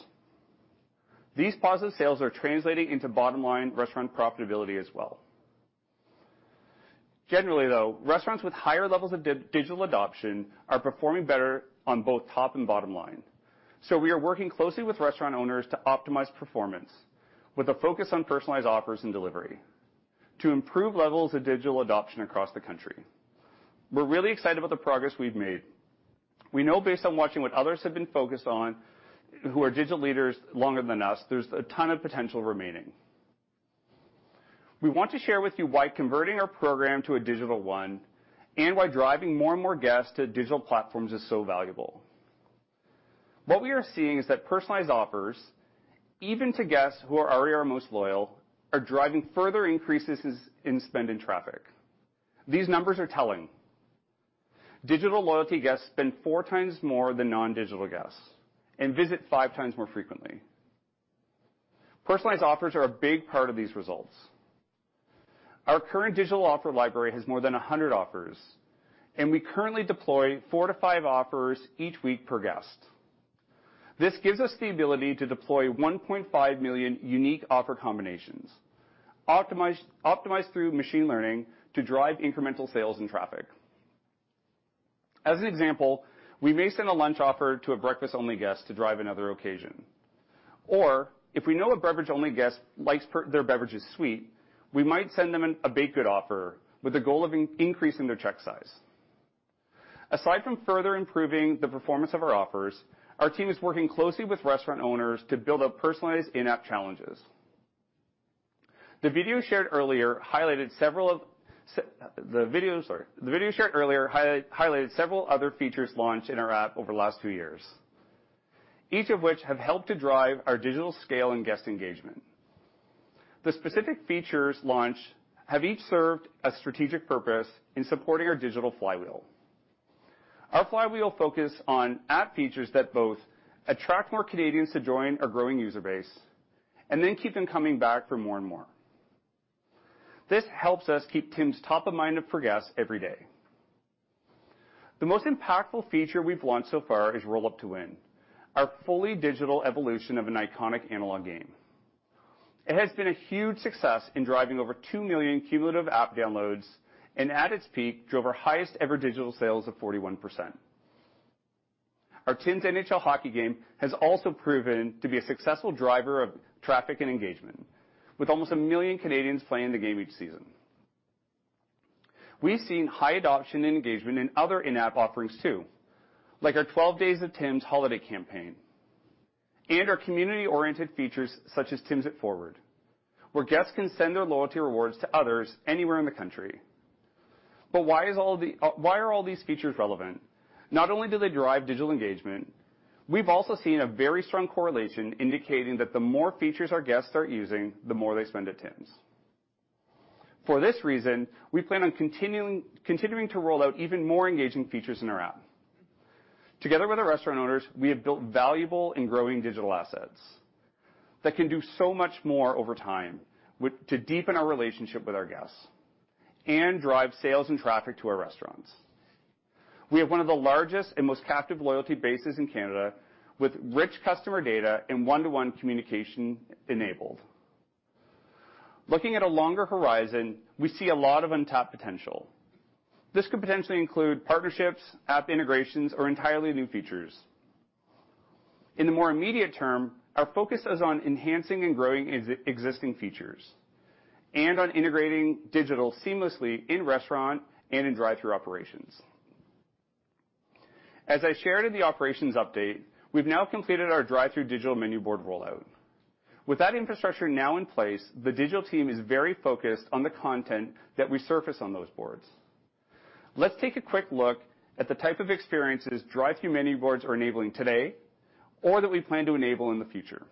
These positive sales are translating into bottom-line restaurant profitability as well. Generally, though, restaurants with higher levels of digital adoption are performing better on both top and bottom line. We are working closely with restaurant owners to optimize performance with a focus on personalized offers and delivery to improve levels of digital adoption across the country. We're really excited about the progress we've made. We know based on watching what others have been focused on, who are digital leaders longer than us, there's a ton of potential remaining. We want to share with you why converting our program to a digital one and why driving more and more guests to digital platforms is so valuable. What we are seeing is that personalized offers, even to guests who already are most loyal, are driving further increases in spend and traffic. These numbers are telling. Digital loyalty guests spend four times more than non-digital guests and visit five times more frequently. Personalized offers are a big part of these results. Our current digital offer library has more than 100 offers, and we currently deploy 4-5 offers each week per guest. This gives us the ability to deploy 1.5 million unique offer combinations, optimized through machine learning to drive incremental sales and traffic. As an example, we may send a lunch offer to a breakfast-only guest to drive another occasion. If we know a beverage-only guest likes their beverages sweet, we might send them a baked good offer with the goal of increasing their check size. Aside from further improving the performance of our offers, our team is working closely with restaurant owners to build up personalized in-app challenges. The video shared earlier highlighted several of the videos. The video shared earlier highlighted several other features launched in our app over the last few years, each of which have helped to drive our digital scale and guest engagement. The specific features launched have each served a strategic purpose in supporting our digital flywheel. Our flywheel focus on app features that both attract more Canadians to join our growing user base and then keep them coming back for more and more. This helps us keep Tim's top of mind for guests every day. The most impactful feature we've launched so far is Roll Up To Win, our fully digital evolution of an iconic analog game. It has been a huge success in driving over 2 million cumulative app downloads, and at its peak, drove our highest-ever digital sales of 41%. Our Tims NHL hockey game has also proven to be a successful driver of traffic and engagement, with almost a million Canadians playing the game each season. We've seen high adoption and engagement in other in-app offerings too, like our 12 Days of Tims holiday campaign and our community-oriented features such as Tims It Forward, where guests can send their loyalty rewards to others anywhere in the country. Why are all these features relevant? Not only do they drive digital engagement, we've also seen a very strong correlation indicating that the more features our guests are using, the more they spend at Tims. For this reason, we plan on continuing to roll out even more engaging features in our app. Together with our restaurant owners, we have built valuable and growing digital assets that can do so much more over time to deepen our relationship with our guests and drive sales and traffic to our restaurants. We have one of the largest and most captive loyalty bases in Canada with rich customer data and one-to-one communication enabled. Looking at a longer horizon, we see a lot of untapped potential. This could potentially include partnerships, app integrations, or entirely new features. In the more immediate term, our focus is on enhancing and growing existing features and on integrating digital seamlessly in-restaurant and in drive-thru operations. As I shared in the operations update, we've now completed our drive-thru digital menu board rollout. With that infrastructure now in place, the digital team is very focused on the content that we surface on those boards. Let's take a quick look at the type of experiences drive-thru menu boards are enabling today or that we plan to enable in the future.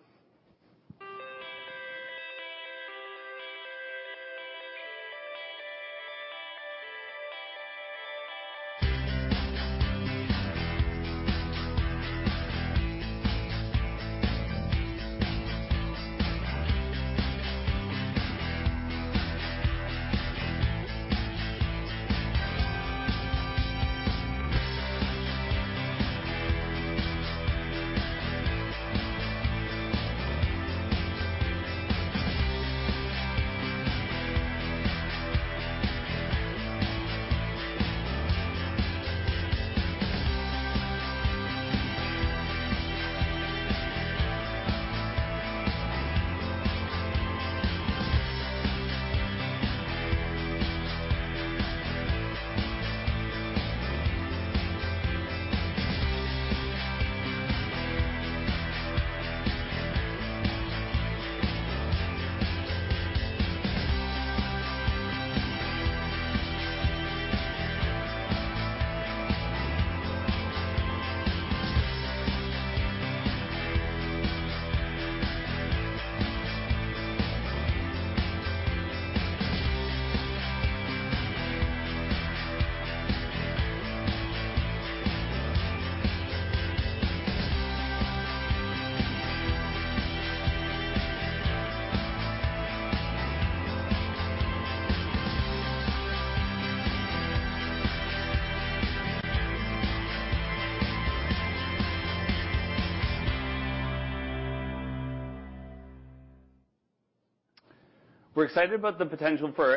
We're excited about the potential for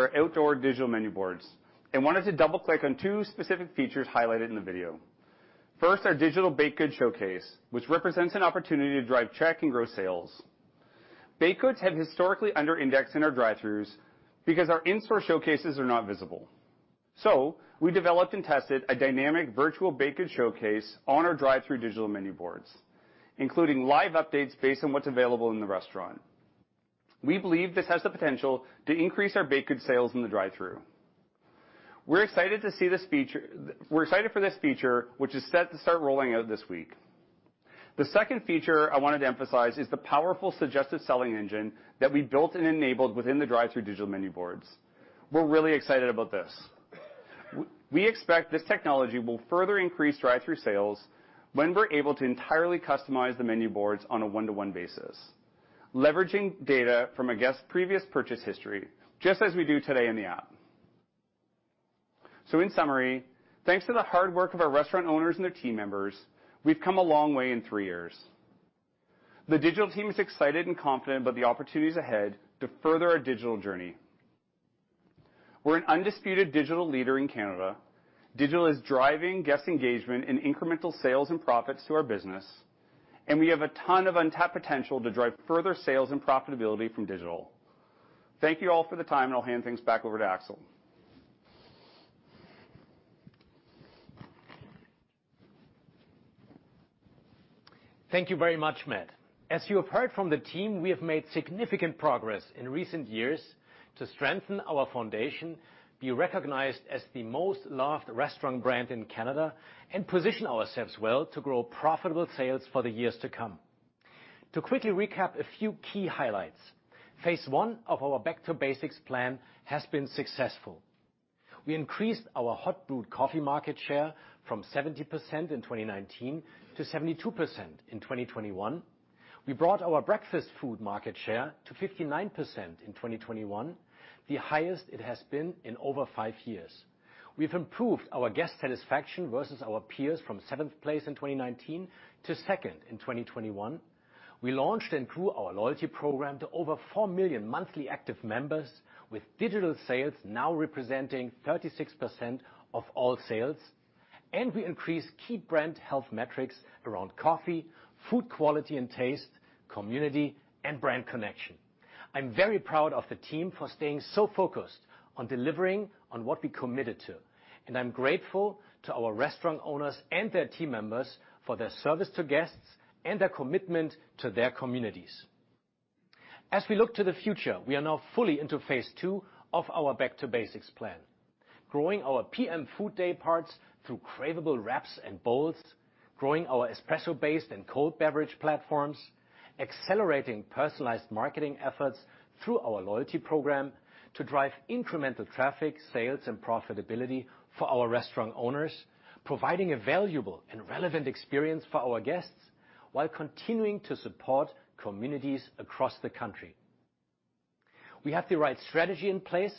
our outdoor digital menu boards and wanted to double-click on two specific features highlighted in the video. First, our digital baked goods showcase, which represents an opportunity to drive check and grow sales. Baked goods have historically under-indexed in our drive-throughs because our in-store showcases are not visible. We developed and tested a dynamic virtual baked goods showcase on our drive-through digital menu boards, including live updates based on what's available in the restaurant. We believe this has the potential to increase our baked goods sales in the drive-through. We're excited for this feature, which is set to start rolling out this week. The second feature I wanted to emphasize is the powerful suggestive selling engine that we built and enabled within the drive-through digital menu boards. We're really excited about this. We expect this technology will further increase drive-through sales when we're able to entirely customize the menu boards on a one-to-one basis, leveraging data from a guest's previous purchase history, just as we do today in the app. In summary, thanks to the hard work of our restaurant owners and their team members, we've come a long way in three years. The digital team is excited and confident about the opportunities ahead to further our digital journey. We're an undisputed digital leader in Canada. Digital is driving guest engagement in incremental sales and profits to our business, and we have a ton of untapped potential to drive further sales and profitability from digital. Thank you all for the time, and I'll hand things back over to Axel. Thank you very much, Matt. As you have heard from the team, we have made significant progress in recent years to strengthen our foundation, be recognized as the most loved restaurant brand in Canada, and position ourselves well to grow profitable sales for the years to come. To quickly recap a few key highlights, phase one of our Back to Basics plan has been successful. We increased our hot brewed coffee market share from 70% in 2019 to 72% in 2021. We brought our breakfast food market share to 59% in 2021, the highest it has been in over five years. We've improved our guest satisfaction versus our peers from seventh place in 2019 to second in 2021. We launched and grew our loyalty program to over 4 million monthly active members with digital sales now representing 36% of all sales. We increased key brand health metrics around coffee, food quality and taste, community, and brand connection. I'm very proud of the team for staying so focused on delivering on what we committed to, and I'm grateful to our restaurant owners and their team members for their service to guests and their commitment to their communities. As we look to the future, we are now fully into phase two of our Back to Basics plan, growing our PM food day parts through craveable wraps and bowls, growing our espresso-based and cold beverage platforms, accelerating personalized marketing efforts through our loyalty program to drive incremental traffic, sales, and profitability for our restaurant owners, providing a valuable and relevant experience for our guests while continuing to support communities across the country. We have the right strategy in place,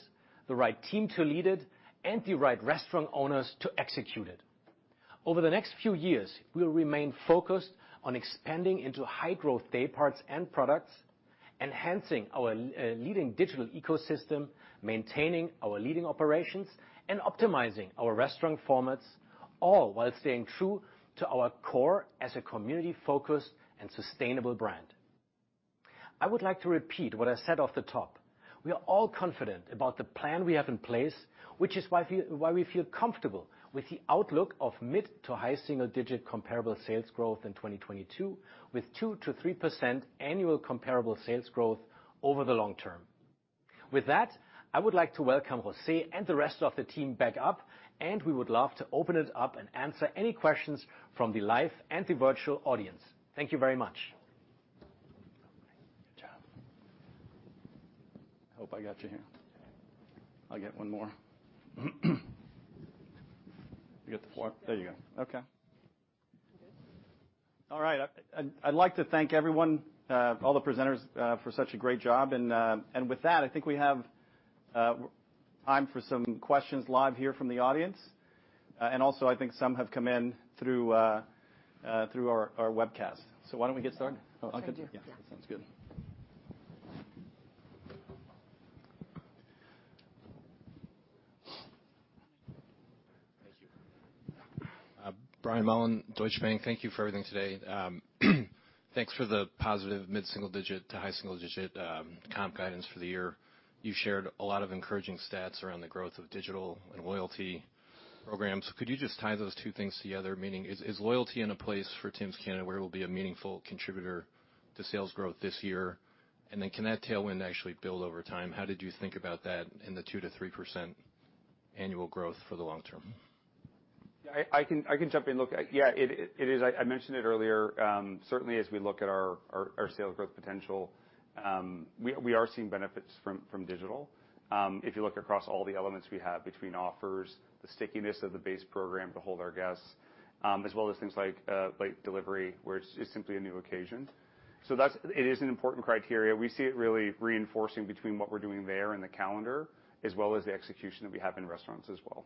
the right team to lead it, and the right restaurant owners to execute it. Over the next few years, we'll remain focused on expanding into high-growth day parts and products, enhancing our leading digital ecosystem, maintaining our leading operations, and optimizing our restaurant formats, all while staying true to our core as a community-focused and sustainable brand. I would like to repeat what I said off the top. We are all confident about the plan we have in place, which is why we feel comfortable with the outlook of mid to high single digit comparable sales growth in 2022 with 2%-3% annual comparable sales growth over the long term. With that, I would like to welcome José and the rest of the team back up, and we would love to open it up and answer any questions from the live and the virtual audience. Thank you very much. All right. I'd like to thank everyone, all the presenters, for such a great job and with that, I think we have time for some questions live here from the audience. Also, I think some have come in through our webcast. Why don't we get started? Sure. Oh, Axel, yeah. Sounds good. Yeah. Thank you. Brian Mullan, Deutsche Bank. Thank you for everything today. Thanks for the positive mid-single digit to high single digit comp guidance for the year. You shared a lot of encouraging stats around the growth of digital and loyalty programs. Could you just tie those two things together? Meaning is loyalty in a place for Tims Canada where it'll be a meaningful contributor to sales growth this year? Then can that tailwind actually build over time? How did you think about that in the 2%-3% annual growth for the long term? I can jump in. Look, yeah, it is. I mentioned it earlier, certainly as we look at our sales growth potential, we are seeing benefits from digital. If you look across all the elements we have between offers, the stickiness of the base program to hold our guests, as well as things like delivery, where it's simply a new occasion. It is an important criteria. We see it really reinforcing between what we're doing there and the calendar, as well as the execution that we have in restaurants as well.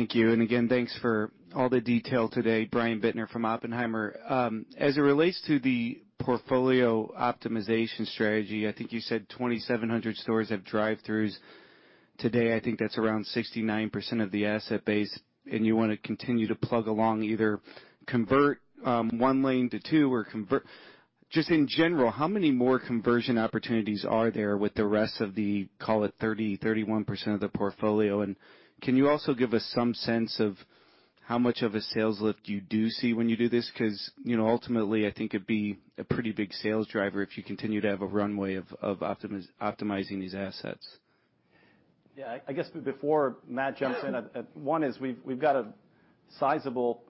Thank you. Again, thanks for all the detail today. Brian Bittner from Oppenheimer. As it relates to the portfolio optimization strategy, I think you said 2,700 stores have drive-throughs today. I think that's around 69% of the asset base, and you wanna continue to plug along, either convert one lane to two or convert. Just in general, how many more conversion opportunities are there with the rest of the, call it 30, 31% of the portfolio? And can you also give us some sense of how much of a sales lift you do see when you do this? Because, you know, ultimately, I think it'd be a pretty big sales driver if you continue to have a runway of optimizing these assets. Yeah. I guess before Matt jumps in, one is we've got a sizable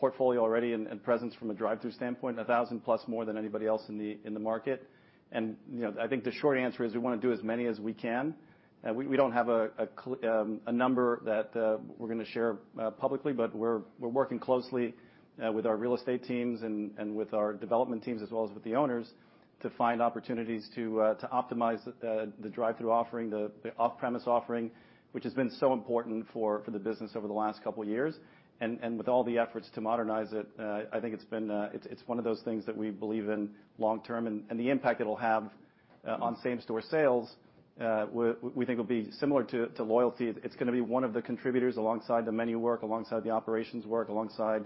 portfolio already and presence from a drive-through standpoint, 1,000 plus more than anybody else in the market. You know, I think the short answer is we wanna do as many as we can. We don't have a number that we're gonna share publicly, but we're working closely with our real estate teams and with our development teams, as well as with the owners, to find opportunities to optimize the drive-through offering, the off-premise offering, which has been so important for the business over the last couple of years. With all the efforts to modernize it, I think it's one of those things that we believe in long term, and the impact it'll have on same-store sales, we think will be similar to loyalty. It's gonna be one of the contributors alongside the menu work, alongside the operations work, alongside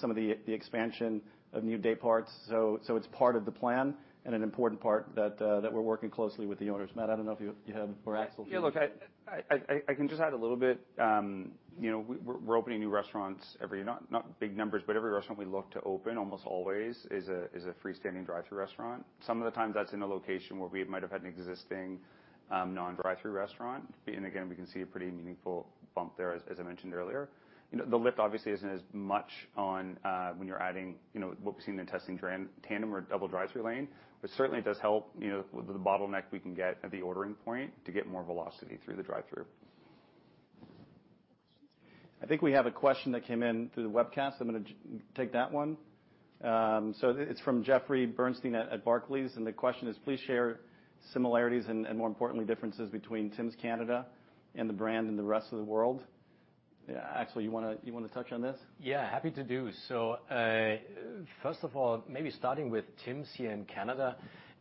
some of the expansion of new day parts. It's part of the plan and an important part that we're working closely with the owners. Matt, I don't know if you had or Axel. Yeah, look, I can just add a little bit. You know, we're opening new restaurants every year, not big numbers, but every restaurant we look to open almost always is a freestanding drive-through restaurant. Sometimes, that's in a location where we might have had an existing non-drive-through restaurant. We can see a pretty meaningful bump there, as I mentioned earlier. You know, the lift obviously isn't as much when you're adding what we've seen in testing tandem or double drive-through lane, but certainly it does help with the bottleneck we can get at the ordering point to get more velocity through the drive-through. I think we have a question that came in through the webcast. I'm gonna take that one. It's from Jeffrey Bernstein at Barclays, and the question is, please share similarities and more importantly, differences between Tims Canada and the brand in the rest of the world. Axel, you wanna touch on this? Yeah, happy to do. First of all, maybe starting with Tims here in Canada,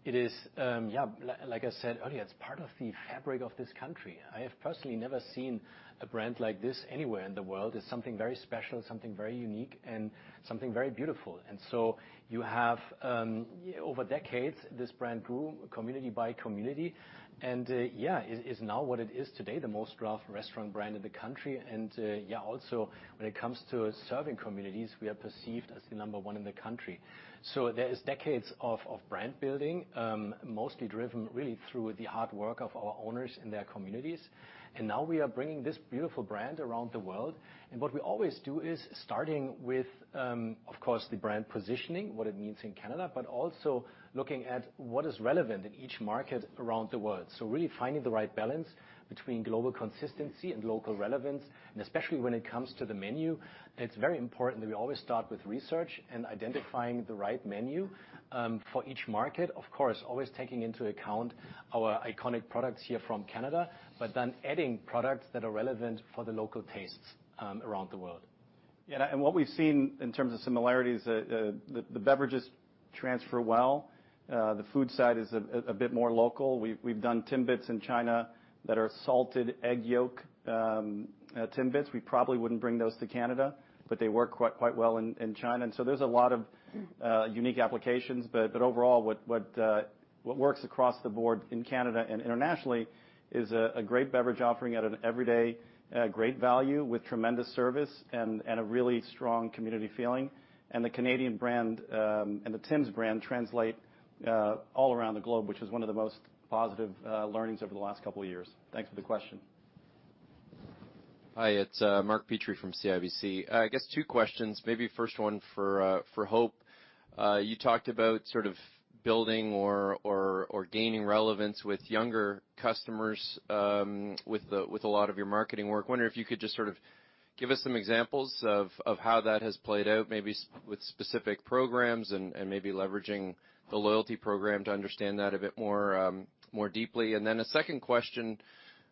it is, yeah, like I said earlier, it's part of the fabric of this country. I have personally never seen a brand like this anywhere in the world. It's something very special, something very unique, and something very beautiful. You have, over decades, this brand grew community by community, and, yeah, it is now what it is today, the most loved restaurant brand in the country. Yeah, also, when it comes to serving communities, we are perceived as the number one in the country. There is decades of brand building, mostly driven really through the hard work of our owners in their communities. Now we are bringing this beautiful brand around the world. What we always do is starting with, of course, the brand positioning, what it means in Canada, but also looking at what is relevant in each market around the world. Really finding the right balance between global consistency and local relevance. Especially when it comes to the menu, it's very important that we always start with research and identifying the right menu, for each market. Of course, always taking into account our iconic products here from Canada, but then adding products that are relevant for the local tastes, around the world. What we've seen in terms of similarities, the beverages transfer well. The food side is a bit more local. We've done Timbits in China that are salted egg yolk Timbits. We probably wouldn't bring those to Canada, but they work quite well in China. There's a lot of unique applications. But overall, what works across the board in Canada and internationally is a great beverage offering at an everyday great value with tremendous service and a really strong community feeling. The Canadian brand and the Tims brand translate all around the globe, which is one of the most positive learnings over the last couple of years. Thanks for the question. Hi, it's Mark Petrie from CIBC. I guess two questions, maybe first one for Hope. You talked about sort of building or gaining relevance with younger customers, with a lot of your marketing work. Wonder if you could just sort of give us some examples of how that has played out, maybe with specific programs and maybe leveraging the loyalty program to understand that a bit more, more deeply. Second question,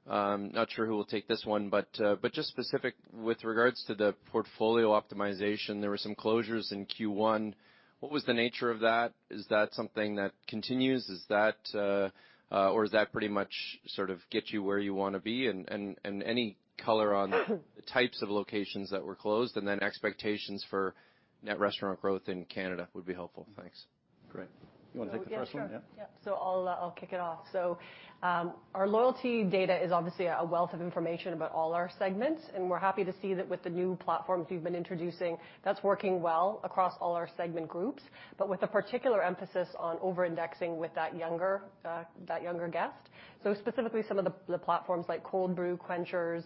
not sure who will take this one, but just specific with regards to the portfolio optimization, there were some closures in Q1. What was the nature of that? Is that something that continues? Is that or is that pretty much sort of get you where you wanna be? Any color on the types of locations that were closed, and then expectations for net restaurant growth in Canada would be helpful. Thanks. Great. You wanna take the first one? Yeah, sure. Yeah. I'll kick it off. Our loyalty data is obviously a wealth of information about all our segments, and we're happy to see that with the new platforms we've been introducing, that's working well across all our segment groups. With a particular emphasis on over-indexing with that younger guest. Specifically, some of the platforms like Cold Brew Quenchers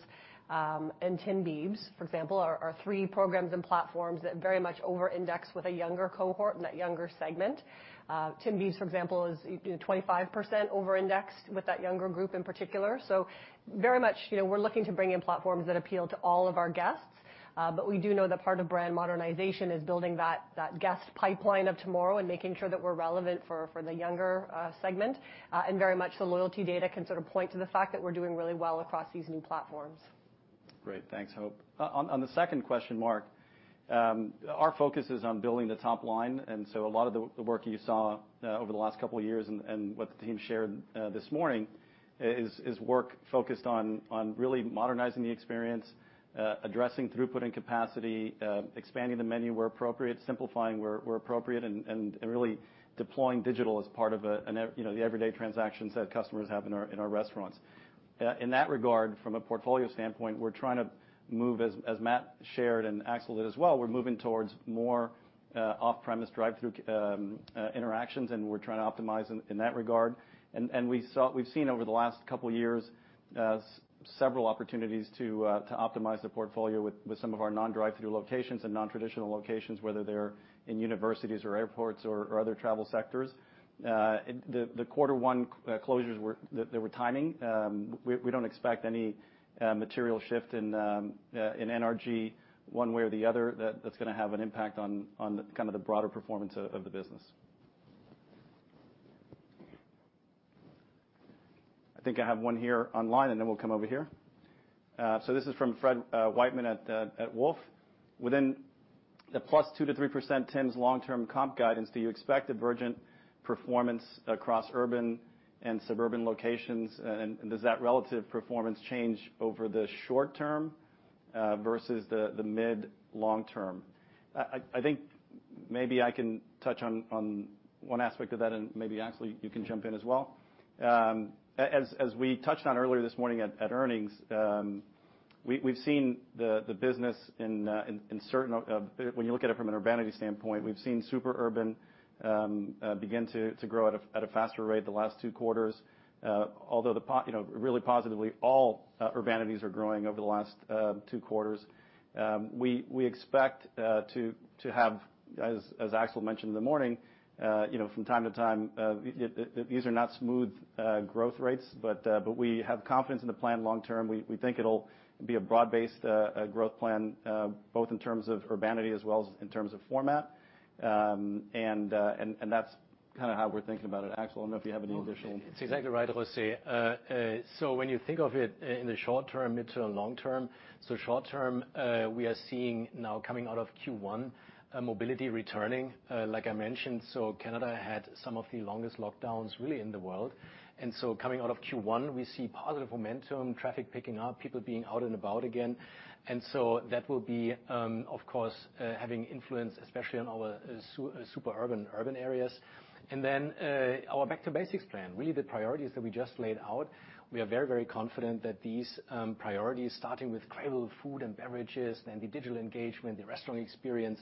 and Timbiebs, for example, are three programs and platforms that very much over-index with a younger cohort and that younger segment. Timbiebs, for example, is you know, 25% over-indexed with that younger group in particular. Very much, you know, we're looking to bring in platforms that appeal to all of our guests, but we do know that part of brand modernization is building that guest pipeline of tomorrow and making sure that we're relevant for the younger segment. Very much the loyalty data can sort of point to the fact that we're doing really well across these new platforms. Great. Thanks, Hope. On the second question, Mark, our focus is on building the top line, and so a lot of the work you saw over the last couple of years and what the team shared this morning is work focused on really modernizing the experience, addressing throughput and capacity, expanding the menu where appropriate, simplifying where appropriate, and really deploying digital as part of you know, the everyday transactions that customers have in our restaurants. In that regard, from a portfolio standpoint, we're trying to move, as Matt shared and Axel did as well, we're moving towards more off-premise drive-through interactions, and we're trying to optimize in that regard. We've seen over the last couple years several opportunities to optimize the portfolio with some of our non-drive-through locations and non-traditional locations, whether they're in universities or airports or other travel sectors. The quarter one closures were timing. We don't expect any material shift in NRG one way or the other that's gonna have an impact on kind of the broader performance of the business. I think I have one here online, and then we'll come over here. This is from Fred Wightman at Wolfe. Within the plus 2%-3% Tims long-term comp guidance, do you expect a divergent performance across urban and suburban locations? Does that relative performance change over the short term versus the mid long term? I think maybe I can touch on one aspect of that and maybe, Axel, you can jump in as well. As we touched on earlier this morning at earnings, we've seen the business. When you look at it from an urbanity standpoint, we've seen super urban begin to grow at a faster rate the last two quarters. Although you know, really positively, all urbanities are growing over the last two quarters. We expect to have, as Axel mentioned in the morning, you know, from time to time, these are not smooth growth rates, but we have confidence in the plan long term. We think it'll be a broad-based growth plan, both in terms of urbanity as well as in terms of format. That's kinda how we're thinking about it. Axel, I don't know if you have any additional It's exactly right, José. When you think of it in the short term, mid-term, long term. Short term, we are seeing now coming out of Q1, mobility returning, like I mentioned. Canada had some of the longest lockdowns really in the world. Coming out of Q1, we see positive momentum, traffic picking up, people being out and about again. That will be, of course, having influence, especially on our super urban urban areas. Then, our back to basics plan, really the priorities that we just laid out, we are very, very confident that these priorities, starting with credible food and beverages and the digital engagement, the restaurant experience,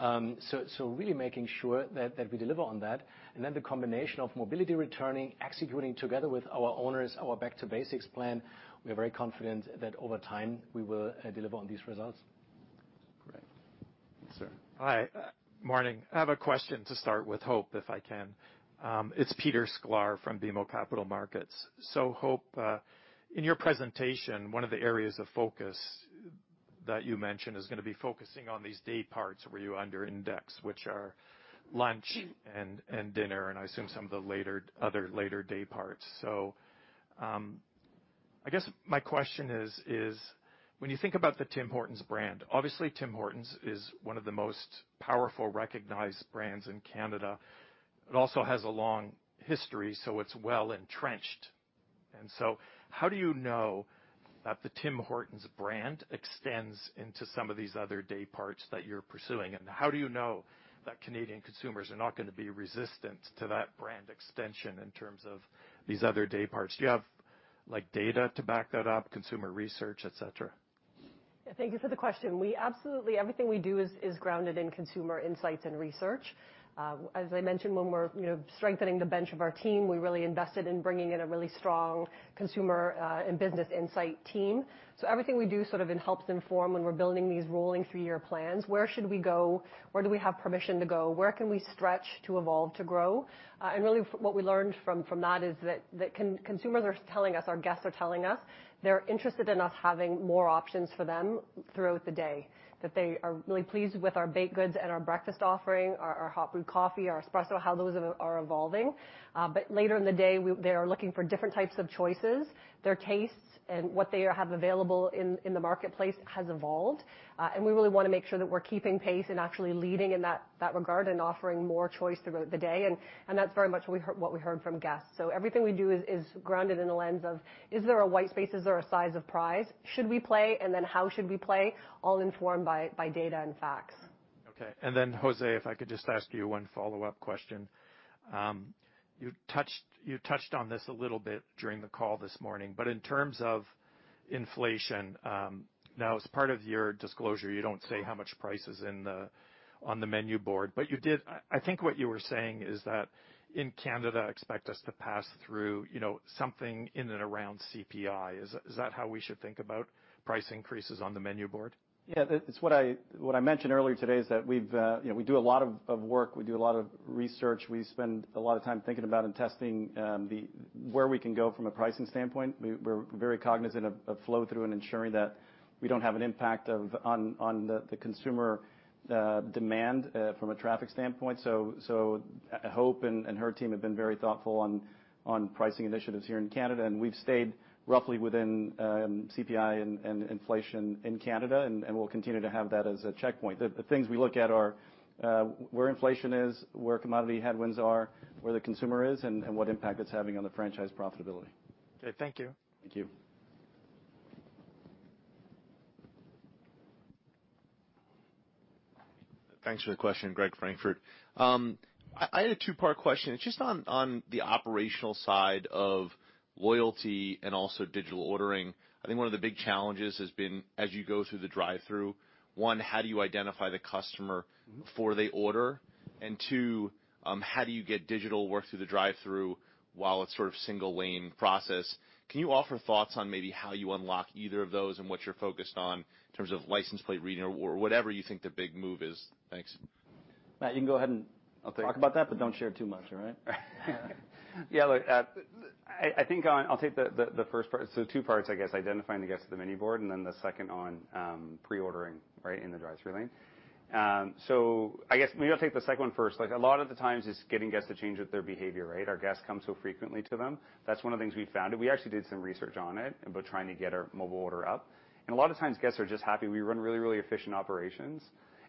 really making sure that we deliver on that. The combination of mobility returning, executing together with our owners, our back to basics plan, we are very confident that over time we will deliver on these results. Great. Sir. Hi. Morning. I have a question to start with Hope, if I can. It's Peter Sklar from BMO Capital Markets. Hope, in your presentation, one of the areas of focus that you mentioned is gonna be focusing on these day parts where you under index, which are lunch and dinner, and I assume some of the other later day parts. I guess my question is, when you think about the Tim Hortons brand, obviously Tim Hortons is one of the most powerful recognized brands in Canada. It also has a long history, so it's well entrenched. How do you know that the Tim Hortons brand extends into some of these other day parts that you're pursuing? And how do you know that Canadian consumers are not gonna be resistant to that brand extension in terms of these other day parts? Do you have, like, data to back that up, consumer research, et cetera? Thank you for the question. We absolutely everything we do is grounded in consumer insights and research. As I mentioned, when we're, you know, strengthening the bench of our team, we really invested in bringing in a really strong consumer and business insight team. Everything we do sort of then helps inform when we're building these rolling three-year plans, where should we go? Where do we have permission to go? Where can we stretch to evolve, to grow? Really what we learned from that is that consumers are telling us, our guests are telling us they're interested in us having more options for them throughout the day, that they are really pleased with our baked goods and our breakfast offering, our hot brewed coffee, our espresso, how those are evolving. Later in the day, they are looking for different types of choices. Their tastes and what they have available in the marketplace has evolved. We really wanna make sure that we're keeping pace and actually leading in that regard and offering more choice throughout the day. That's very much what we heard from guests. Everything we do is grounded in the lens of, is there a white space, is there a size of prize? Should we play, and then how should we play, all informed by data and facts. Okay. José, if I could just ask you one follow-up question. You touched on this a little bit during the call this morning, but in terms of inflation, now as part of your disclosure, you don't say how much pricing is on the menu board, but I think what you were saying is that in Canada, expect us to pass through, you know, something in and around CPI. Is that how we should think about price increases on the menu board? Yeah. It's what I mentioned earlier today is that we've, you know, we do a lot of work, we do a lot of research, we spend a lot of time thinking about and testing where we can go from a pricing standpoint. We're very cognizant of flow through and ensuring that we don't have an impact on the consumer demand from a traffic standpoint. Hope and her team have been very thoughtful on pricing initiatives here in Canada, and we've stayed roughly within CPI and inflation in Canada, and we'll continue to have that as a checkpoint. The things we look at are where inflation is, where commodity headwinds are, where the consumer is and what impact it's having on the franchise profitability. Okay. Thank you. Thank you. Thanks for the question. Gregory Francfort. I had a two-part question. It's just on the operational side of loyalty and also digital ordering. I think one of the big challenges has been as you go through the drive-thru, one, how do you identify the customer before they order, and two, how do you get digital work through the drive-thru while it's sort of single lane process? Can you offer thoughts on maybe how you unlock either of those and what you're focused on in terms of license plate reading or whatever you think the big move is? Thanks. Matt, you can go ahead and talk about that, but don't share too much, all right? Yeah, look, I think I'll take the first part. Two parts, I guess, identifying the guest at the menu board and then the second one on pre-ordering, right, in the drive-thru lane. I guess maybe I'll take the second one first. Like a lot of the times it's getting guests to change with their behavior, right? Our guests come so frequently to them. That's one of the things we found, and we actually did some research on it about trying to get our mobile order up. A lot of times guests are just happy we run really efficient operations.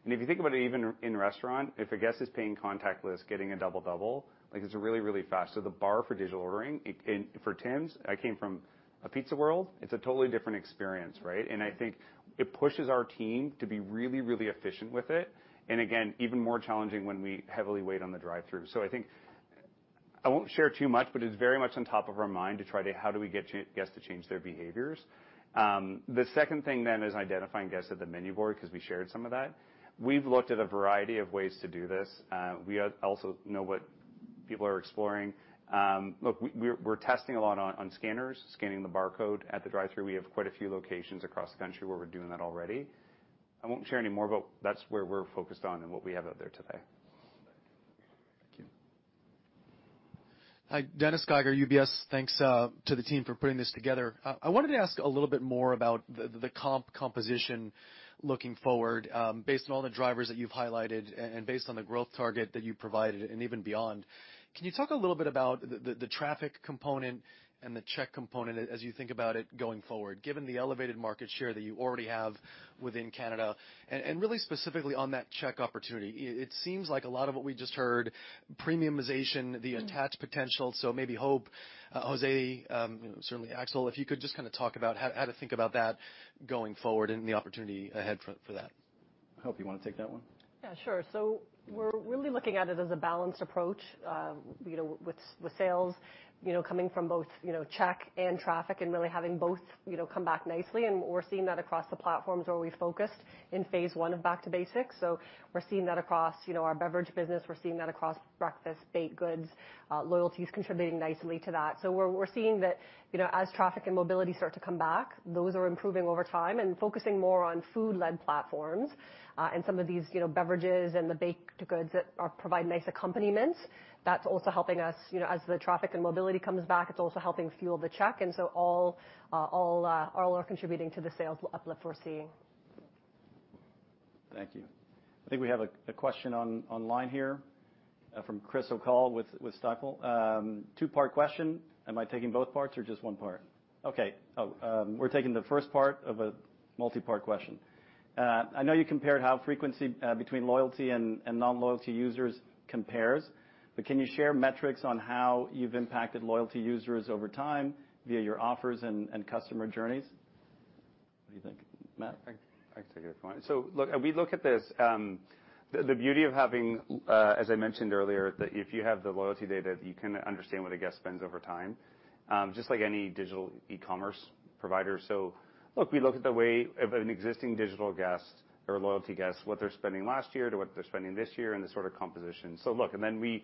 If you think about it, even in restaurant, if a guest is paying contactless, getting a Double-Double, like it's really fast. The bar for digital ordering and for Tim's. I came from a Pizza World, it's a totally different experience, right? I think it pushes our team to be really, really efficient with it, and again, even more challenging when we heavily rely on the drive-thru. I think I won't share too much, but it's very much top of mind to try to, how do we get guests to change their behaviors? The second thing is identifying guests at the menu board because we shared some of that. We've looked at a variety of ways to do this. We also know what people are exploring. We're testing a lot on scanners, scanning the barcode at the drive-thru. We have quite a few locations across the country where we're doing that already. I won't share any more, but that's where we're focused on and what we have out there today. Thank you. Hi, Dennis Geiger, UBS. Thanks to the team for putting this together. I wanted to ask a little bit more about the comp composition looking forward, based on all the drivers that you've highlighted and based on the growth target that you provided and even beyond. Can you talk a little bit about the traffic component and the check component as you think about it going forward, given the elevated market share that you already have within Canada? Really specifically on that check opportunity. It seems like a lot of what we just heard, premiumization, the attached potential, so maybe Hope, José, you know, certainly Axel, if you could just kinda talk about how to think about that going forward and the opportunity ahead for that. Hope, you wanna take that one? Yeah, sure. We're really looking at it as a balanced approach, you know, with sales, you know, coming from both, you know, check and traffic and really having both, you know, come back nicely. We're seeing that across the platforms where we focused in phase one of back to basics. We're seeing that across, you know, our beverage business, we're seeing that across breakfast, baked goods, loyalty is contributing nicely to that. We're seeing that, you know, as traffic and mobility start to come back, those are improving over time and focusing more on food-led platforms, and some of these, you know, beverages and the baked goods that are provide nice accompaniments. That's also helping us, you know, as the traffic and mobility comes back, it's also helping fuel the check. All are contributing to the sales uplift we're seeing. Thank you. I think we have a question online here from Chris O'Cull with Stifel. Two-part question. Am I taking both parts or just one part? Okay. We're taking the first part of a multi-part question. I know you compared how frequency between loyalty and non-loyalty users compares, but can you share metrics on how you've impacted loyalty users over time via your offers and customer journeys? What do you think, Matt? I can take it if you want. Look, we look at this, the beauty of having, as I mentioned earlier, that if you have the loyalty data, you can understand what a guest spends over time, just like any digital e-commerce provider. Look, we look at the value of an existing digital guest or loyalty guest, what they're spending last year to what they're spending this year, and the sort of composition. Look, and then we,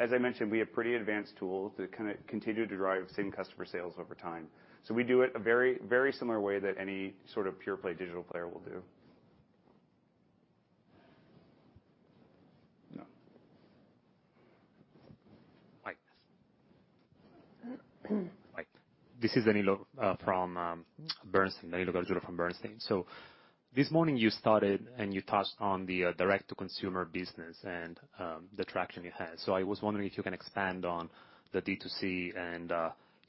as I mentioned, we have pretty advanced tools to kind of continue to drive same customer sales over time. We do it in a very similar way that any sort of pure play digital player will do. No. This is Danilo from Bernstein, Danilo Gargiulo from Bernstein. This morning you started and you touched on the direct to consumer business and the traction you had. I was wondering if you can expand on the D2C and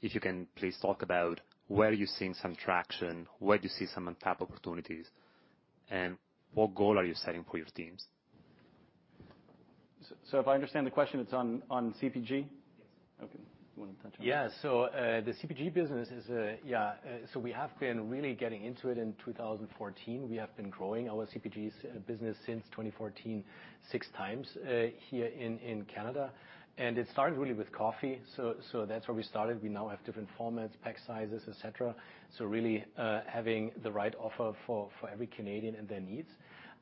if you can please talk about where are you seeing some traction, where do you see some untapped opportunities, and what goal are you setting for your teams? If I understand the question, it's on CPG? Yes. Okay. You wanna touch on it? The CPG business is we have been really getting into it in 2014. We have been growing our CPG business since 2014, six times here in Canada. It started really with coffee. That's where we started. We now have different formats, pack sizes, et cetera. Really having the right offer for every Canadian and their needs.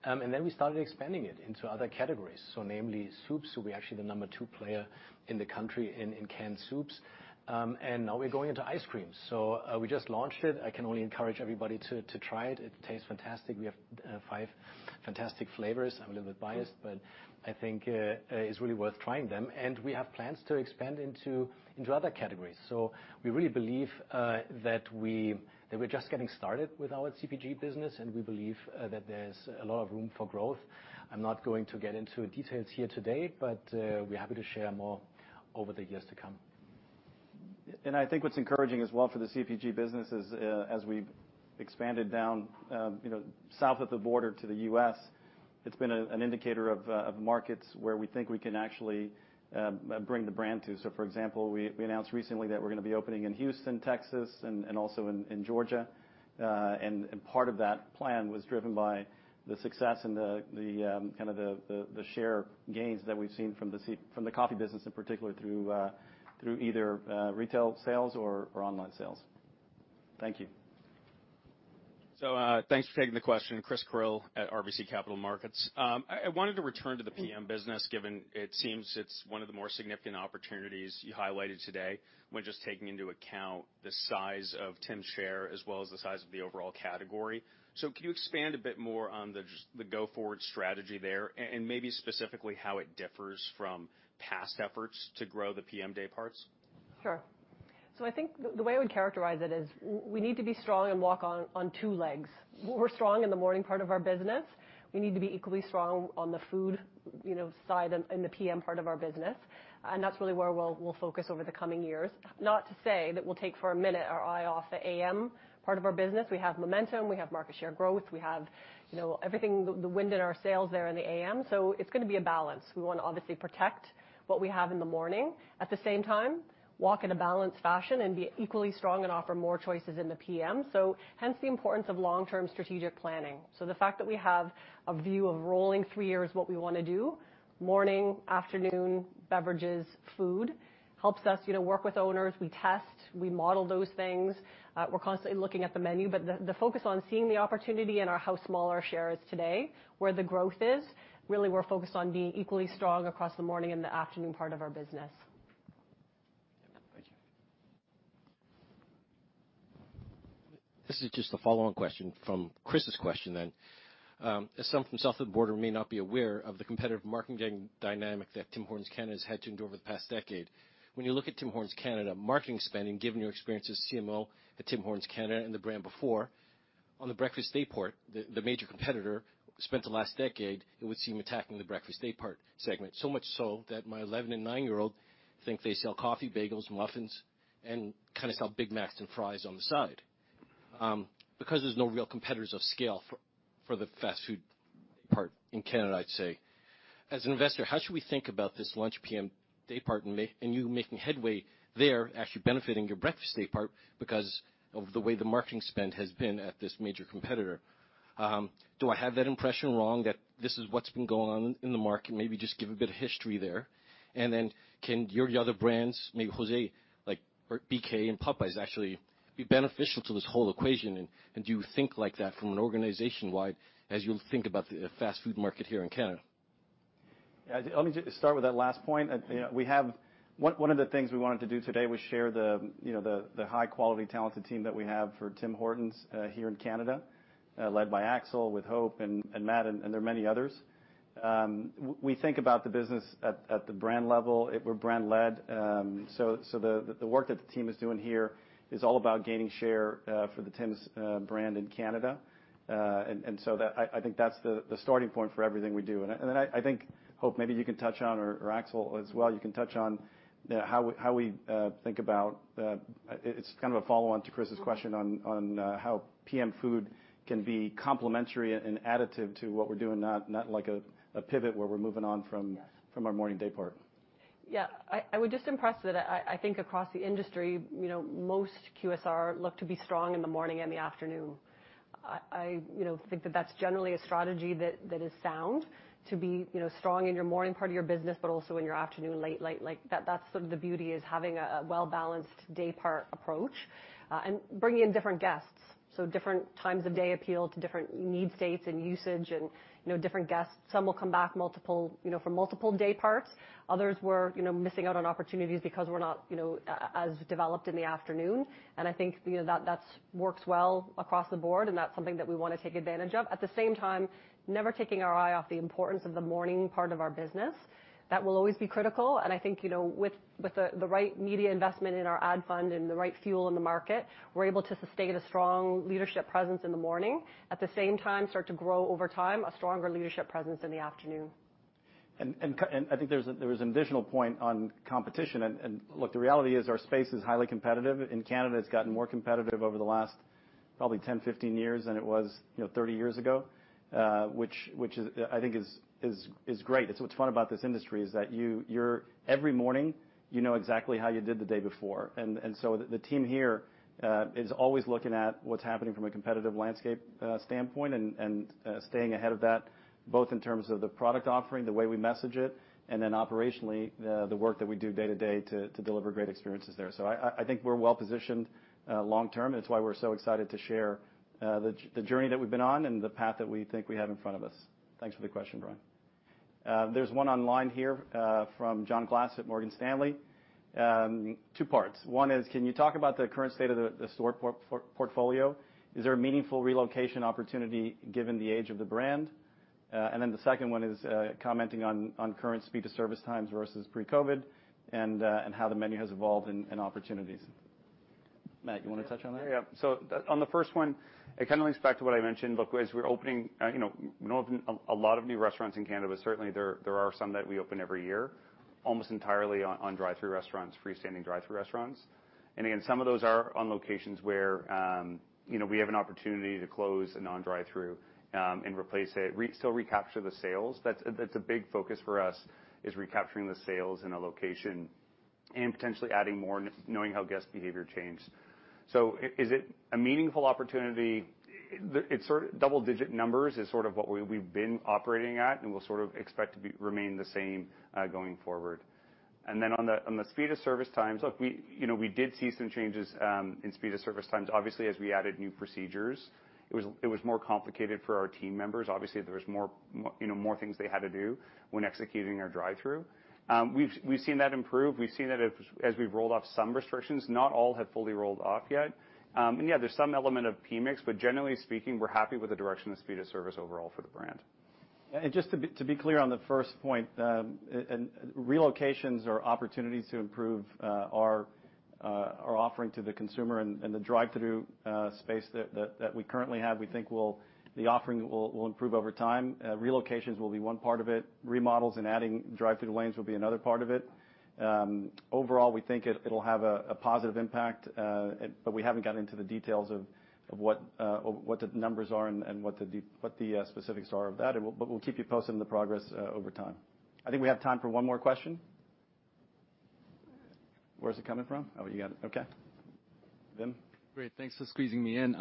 Then we started expanding it into other categories, namely soups. We're actually the number two player in the country in canned soups. Now we're going into ice cream. We just launched it. I can only encourage everybody to try it. It tastes fantastic. We have five fantastic flavors. I'm a little bit biased, but I think it's really worth trying them. We have plans to expand into other categories. We really believe that we're just getting started with our CPG business, and we believe that there's a lot of room for growth. I'm not going to get into details here today, but we're happy to share more over the years to come. I think what's encouraging as well for the CPG business is, as we've expanded down, you know, south of the border to the U.S., it's been an indicator of markets where we think we can actually bring the brand to. For example, we announced recently that we're gonna be opening in Houston, Texas, and also in Georgia. Part of that plan was driven by the success and the share gains that we've seen from the coffee business in particular through either retail sales or online sales. Thank you. Thanks for taking the question, Christopher Carril at RBC Capital Markets. I wanted to return to the PM business, given it seems it's one of the more significant opportunities you highlighted today when just taking into account the size of Tim's share as well as the size of the overall category. Can you expand a bit more on the go-forward strategy there, and maybe specifically how it differs from past efforts to grow the PM day parts? Sure. I think the way I would characterize it is we need to be strong and walk on two legs. We're strong in the morning part of our business. We need to be equally strong on the food, you know, side and the PM part of our business, and that's really where we'll focus over the coming years. Not to say that we'll take for a minute our eye off the AM part of our business. We have momentum. We have market share growth. We have, you know, everything, the wind in our sails there in the AM. It's gonna be a balance. We wanna obviously protect what we have in the morning. At the same time, walk in a balanced fashion and be equally strong and offer more choices in the PM. Hence the importance of long-term strategic planning. The fact that we have a view of rolling three years what we wanna do, morning, afternoon, beverages, food, helps us, you know, work with owners. We test, we model those things. We're constantly looking at the menu, but the focus on seeing the opportunity and our, how small our share is today, where the growth is, really we're focused on being equally strong across the morning and the afternoon part of our business. Yeah. Right. This is just a follow-on question from Chris's question. As some from south of the border may not be aware of the competitive marketing dynamic that Tim Hortons Canada has had to endure over the past decade. When you look at Tim Hortons Canada marketing spending, given your experience as CMO at Tim Hortons Canada and the brand before, on the breakfast daypart, the major competitor spent the last decade, it would seem, attacking the breakfast daypart segment. So much so that my 11 and nine year old think they sell coffee, bagels, and muffins and kind of sell Big Macs and fries on the side. Because there's no real competitors of scale for the fast food part in Canada, I'd say. As an investor, how should we think about this lunch PM day part and making headway there actually benefiting your breakfast day part because of the way the marketing spend has been at this major competitor? Do I have that impression wrong that this is what's been going on in the market? Maybe just give a bit of history there. Then can your other brands, maybe José, like BK and Popeyes actually be beneficial to this whole equation? Do you think like that from an organization-wide as you'll think about the fast food market here in Canada? Yeah. Let me just start with that last point. You know, we have one of the things we wanted to do today was share the you know the high-quality talented team that we have for Tim Hortons here in Canada led by Axel with Hope and Matt, and there are many others. We think about the business at the brand level. We're brand led. The work that the team is doing here is all about gaining share for the Tim's brand in Canada. I think that's the starting point for everything we do. I think, Hope, maybe you can touch on or Axel as well, you can touch on how we think about it. It's kind of a follow-on to Chris's question on how P.M. food can be complementary and additive to what we're doing, not like a pivot where we're moving on from our morning day part. Yeah, I would just impress that I think across the industry, you know, most QSR look to be strong in the morning and the afternoon. I think that that's generally a strategy that is sound to be, you know, strong in your morning part of your business, but also in your afternoon, late. Like, that's sort of the beauty, is having a well-balanced daypart approach and bringing in different guests. Different times of day appeal to different need states and usage and, you know, different guests. Some will come back multiple, you know, for multiple dayparts. Others were, you know, missing out on opportunities because we're not, you know, as developed in the afternoon. I think, you know, that that's works well across the board, and that's something that we wanna take advantage of. At the same time, never taking our eye off the importance of the morning part of our business. That will always be critical, and I think, you know, with the right media investment in our ad fund and the right fuel in the market, we're able to sustain a strong leadership presence in the morning. At the same time, start to grow over time a stronger leadership presence in the afternoon. I think there was an additional point on competition. Look, the reality is our space is highly competitive. In Canada, it's gotten more competitive over the last probably 10, 15 years than it was, you know, 30 years ago, which I think is great. It's what's fun about this industry, that every morning you know exactly how you did the day before. The team here is always looking at what's happening from a competitive landscape standpoint and staying ahead of that, both in terms of the product offering, the way we message it, and then operationally, the work that we do day to day to deliver great experiences there. I think we're well positioned long term. It's why we're so excited to share the journey that we've been on and the path that we think we have in front of us. Thanks for the question, Brian. There's one online here from John Glass at Morgan Stanley. Two parts. One is, can you talk about the current state of the store portfolio? Is there a meaningful relocation opportunity given the age of the brand? The second one is commenting on current speed to service times versus pre-COVID and how the menu has evolved and opportunities. Matt, you wanna touch on that? Yeah. On the first one, it kinda links back to what I mentioned. Look, as we're opening, we don't open a lot of new restaurants in Canada, certainly there are some that we open every year, almost entirely on drive-through restaurants, freestanding drive-through restaurants. Again, some of those are on locations where we have an opportunity to close a non-drive-through and replace it, so recapture the sales. That's a big focus for us, is recapturing the sales in a location and potentially adding more, knowing how guest behavior changed. Is it a meaningful opportunity? It's sort of double-digit numbers is sort of what we've been operating at, and we'll sort of expect to remain the same going forward. On the speed of service times, look, we, you know, we did see some changes in speed of service times. Obviously, as we added new procedures, it was more complicated for our team members. Obviously, there was more, you know, things they had to do when executing our drive-through. We've seen that improve. We've seen it as we've rolled off some restrictions. Not all have fully rolled off yet. Yeah, there's some element of mix, but generally speaking, we're happy with the direction of speed of service overall for the brand. Just to be clear on the first point, relocations or opportunities to improve our offering to the consumer and the drive-through space that we currently have, we think the offering will improve over time. Relocations will be one part of it. Remodels and adding drive-through lanes will be another part of it. Overall, we think it'll have a positive impact, but we haven't gotten into the details of what the numbers are and what the specifics are of that. But we'll keep you posted on the progress over time. I think we have time for one more question. Where's it coming from? Oh, you got it. Okay. Vim. Great. Thanks for squeezing me in.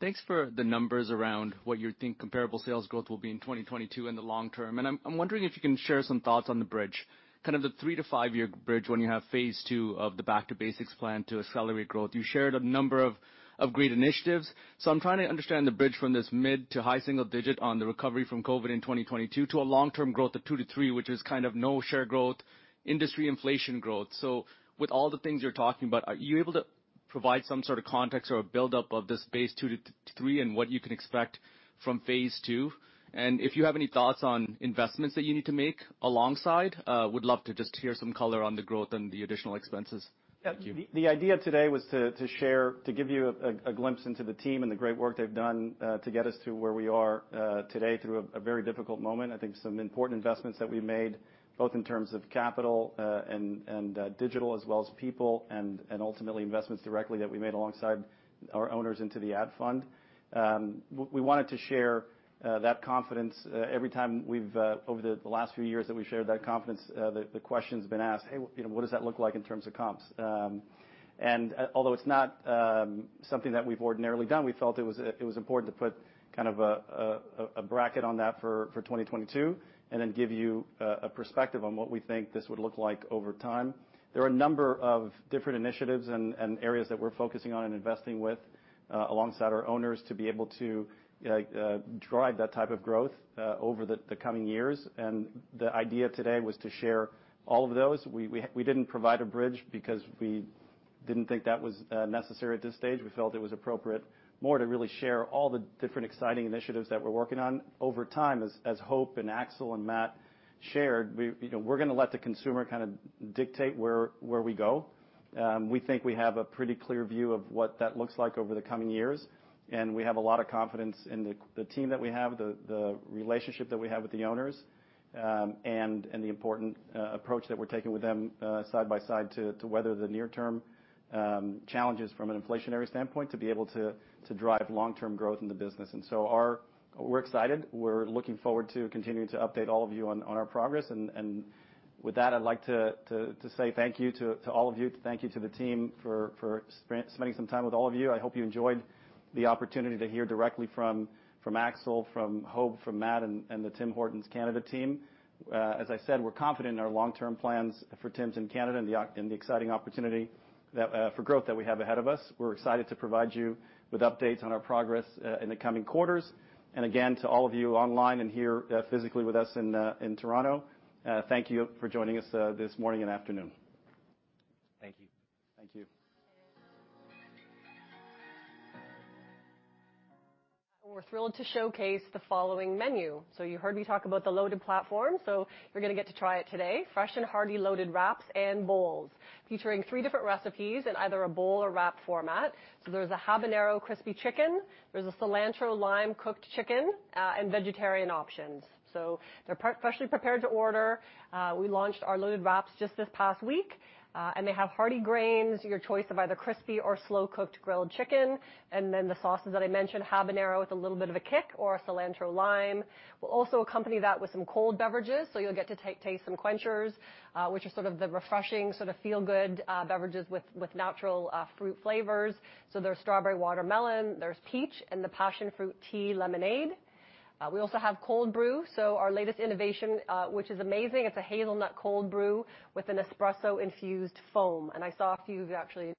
Thanks for the numbers around what you think comparable sales growth will be in 2022 in the long term. I'm wondering if you can share some thoughts on the bridge, kind of the three to five year bridge when you have phase two of the back to basics plan to accelerate growth. You shared a number of great initiatives. I'm trying to understand the bridge from this mid-to-high-single-digit on the recovery from COVID in 2022 to a long-term growth of 2%-3%, which is kind of no share growth, industry inflation growth. With all the things you're talking about, are you able to provide some sort of context or a buildup of this base 2%-3% and what you can expect from phase two? If you have any thoughts on investments that you need to make alongside, would love to just hear some color on the growth and the additional expenses. Thank you. The idea today was to share, to give you a glimpse into the team and the great work they've done to get us to where we are today through a very difficult moment. I think some important investments that we made, both in terms of capital and digital, as well as people and ultimately investments directly that we made alongside our owners into the ad fund. We wanted to share that confidence. Every time we've over the last few years that we've shared that confidence, the question's been asked, "Hey, what, you know, what does that look like in terms of comps?" Although it's not something that we've ordinarily done, we felt it was important to put kind of a bracket on that for 2022, and then give you a perspective on what we think this would look like over time. There are a number of different initiatives and areas that we're focusing on and investing with alongside our owners to be able to drive that type of growth over the coming years. The idea today was to share all of those. We didn't provide a bridge because we didn't think that was necessary at this stage. We felt it was appropriate more to really share all the different exciting initiatives that we're working on over time. As Hope and Axel and Matt shared, we, you know, we're gonna let the consumer kind of dictate where we go. We think we have a pretty clear view of what that looks like over the coming years, and we have a lot of confidence in the team that we have, the relationship that we have with the owners, and the important approach that we're taking with them, side by side to weather the near term challenges from an inflationary standpoint, to be able to drive long-term growth in the business. We're excited. We're looking forward to continuing to update all of you on our progress. With that, I'd like to say thank you to all of you. Thank you to the team for spending some time with all of you. I hope you enjoyed the opportunity to hear directly from Axel, from Hope, from Matt, and the Tim Hortons Canada team. As I said, we're confident in our long-term plans for Tims in Canada and the exciting opportunity for growth that we have ahead of us. We're excited to provide you with updates on our progress in the coming quarters. Again, to all of you online and here physically with us in Toronto, thank you for joining us this morning and afternoon. Thank you. Thank you. We're thrilled to showcase the following menu. You heard me talk about the loaded platform, so you're gonna get to try it today. Fresh and hearty Loaded Wraps and Loaded Bowls, featuring three different recipes in either a bowl or wrap format. There's a Habanero Crispy Chicken, there's a Cilantro Lime Cooked Chicken, and vegetarian options. They're prepared fresh to order. We launched our Loaded Wraps just this past week, and they have hearty grains, your choice of either crispy or slow-cooked grilled chicken, and then the sauces that I mentioned, habanero with a little bit of a kick or a cilantro lime. We'll also accompany that with some cold beverages, so you'll get to taste some Quenchers, which are sort of the refreshing, sort of feel-good beverages with natural fruit flavors. There's Strawberry Watermelon, there's Peach, and the Passionfruit Tea Lemonade. We also have Cold Brew, our latest innovation, which is amazing. It's a Hazelnut Cold Brew with an espresso infused foam. I saw a few of you actually.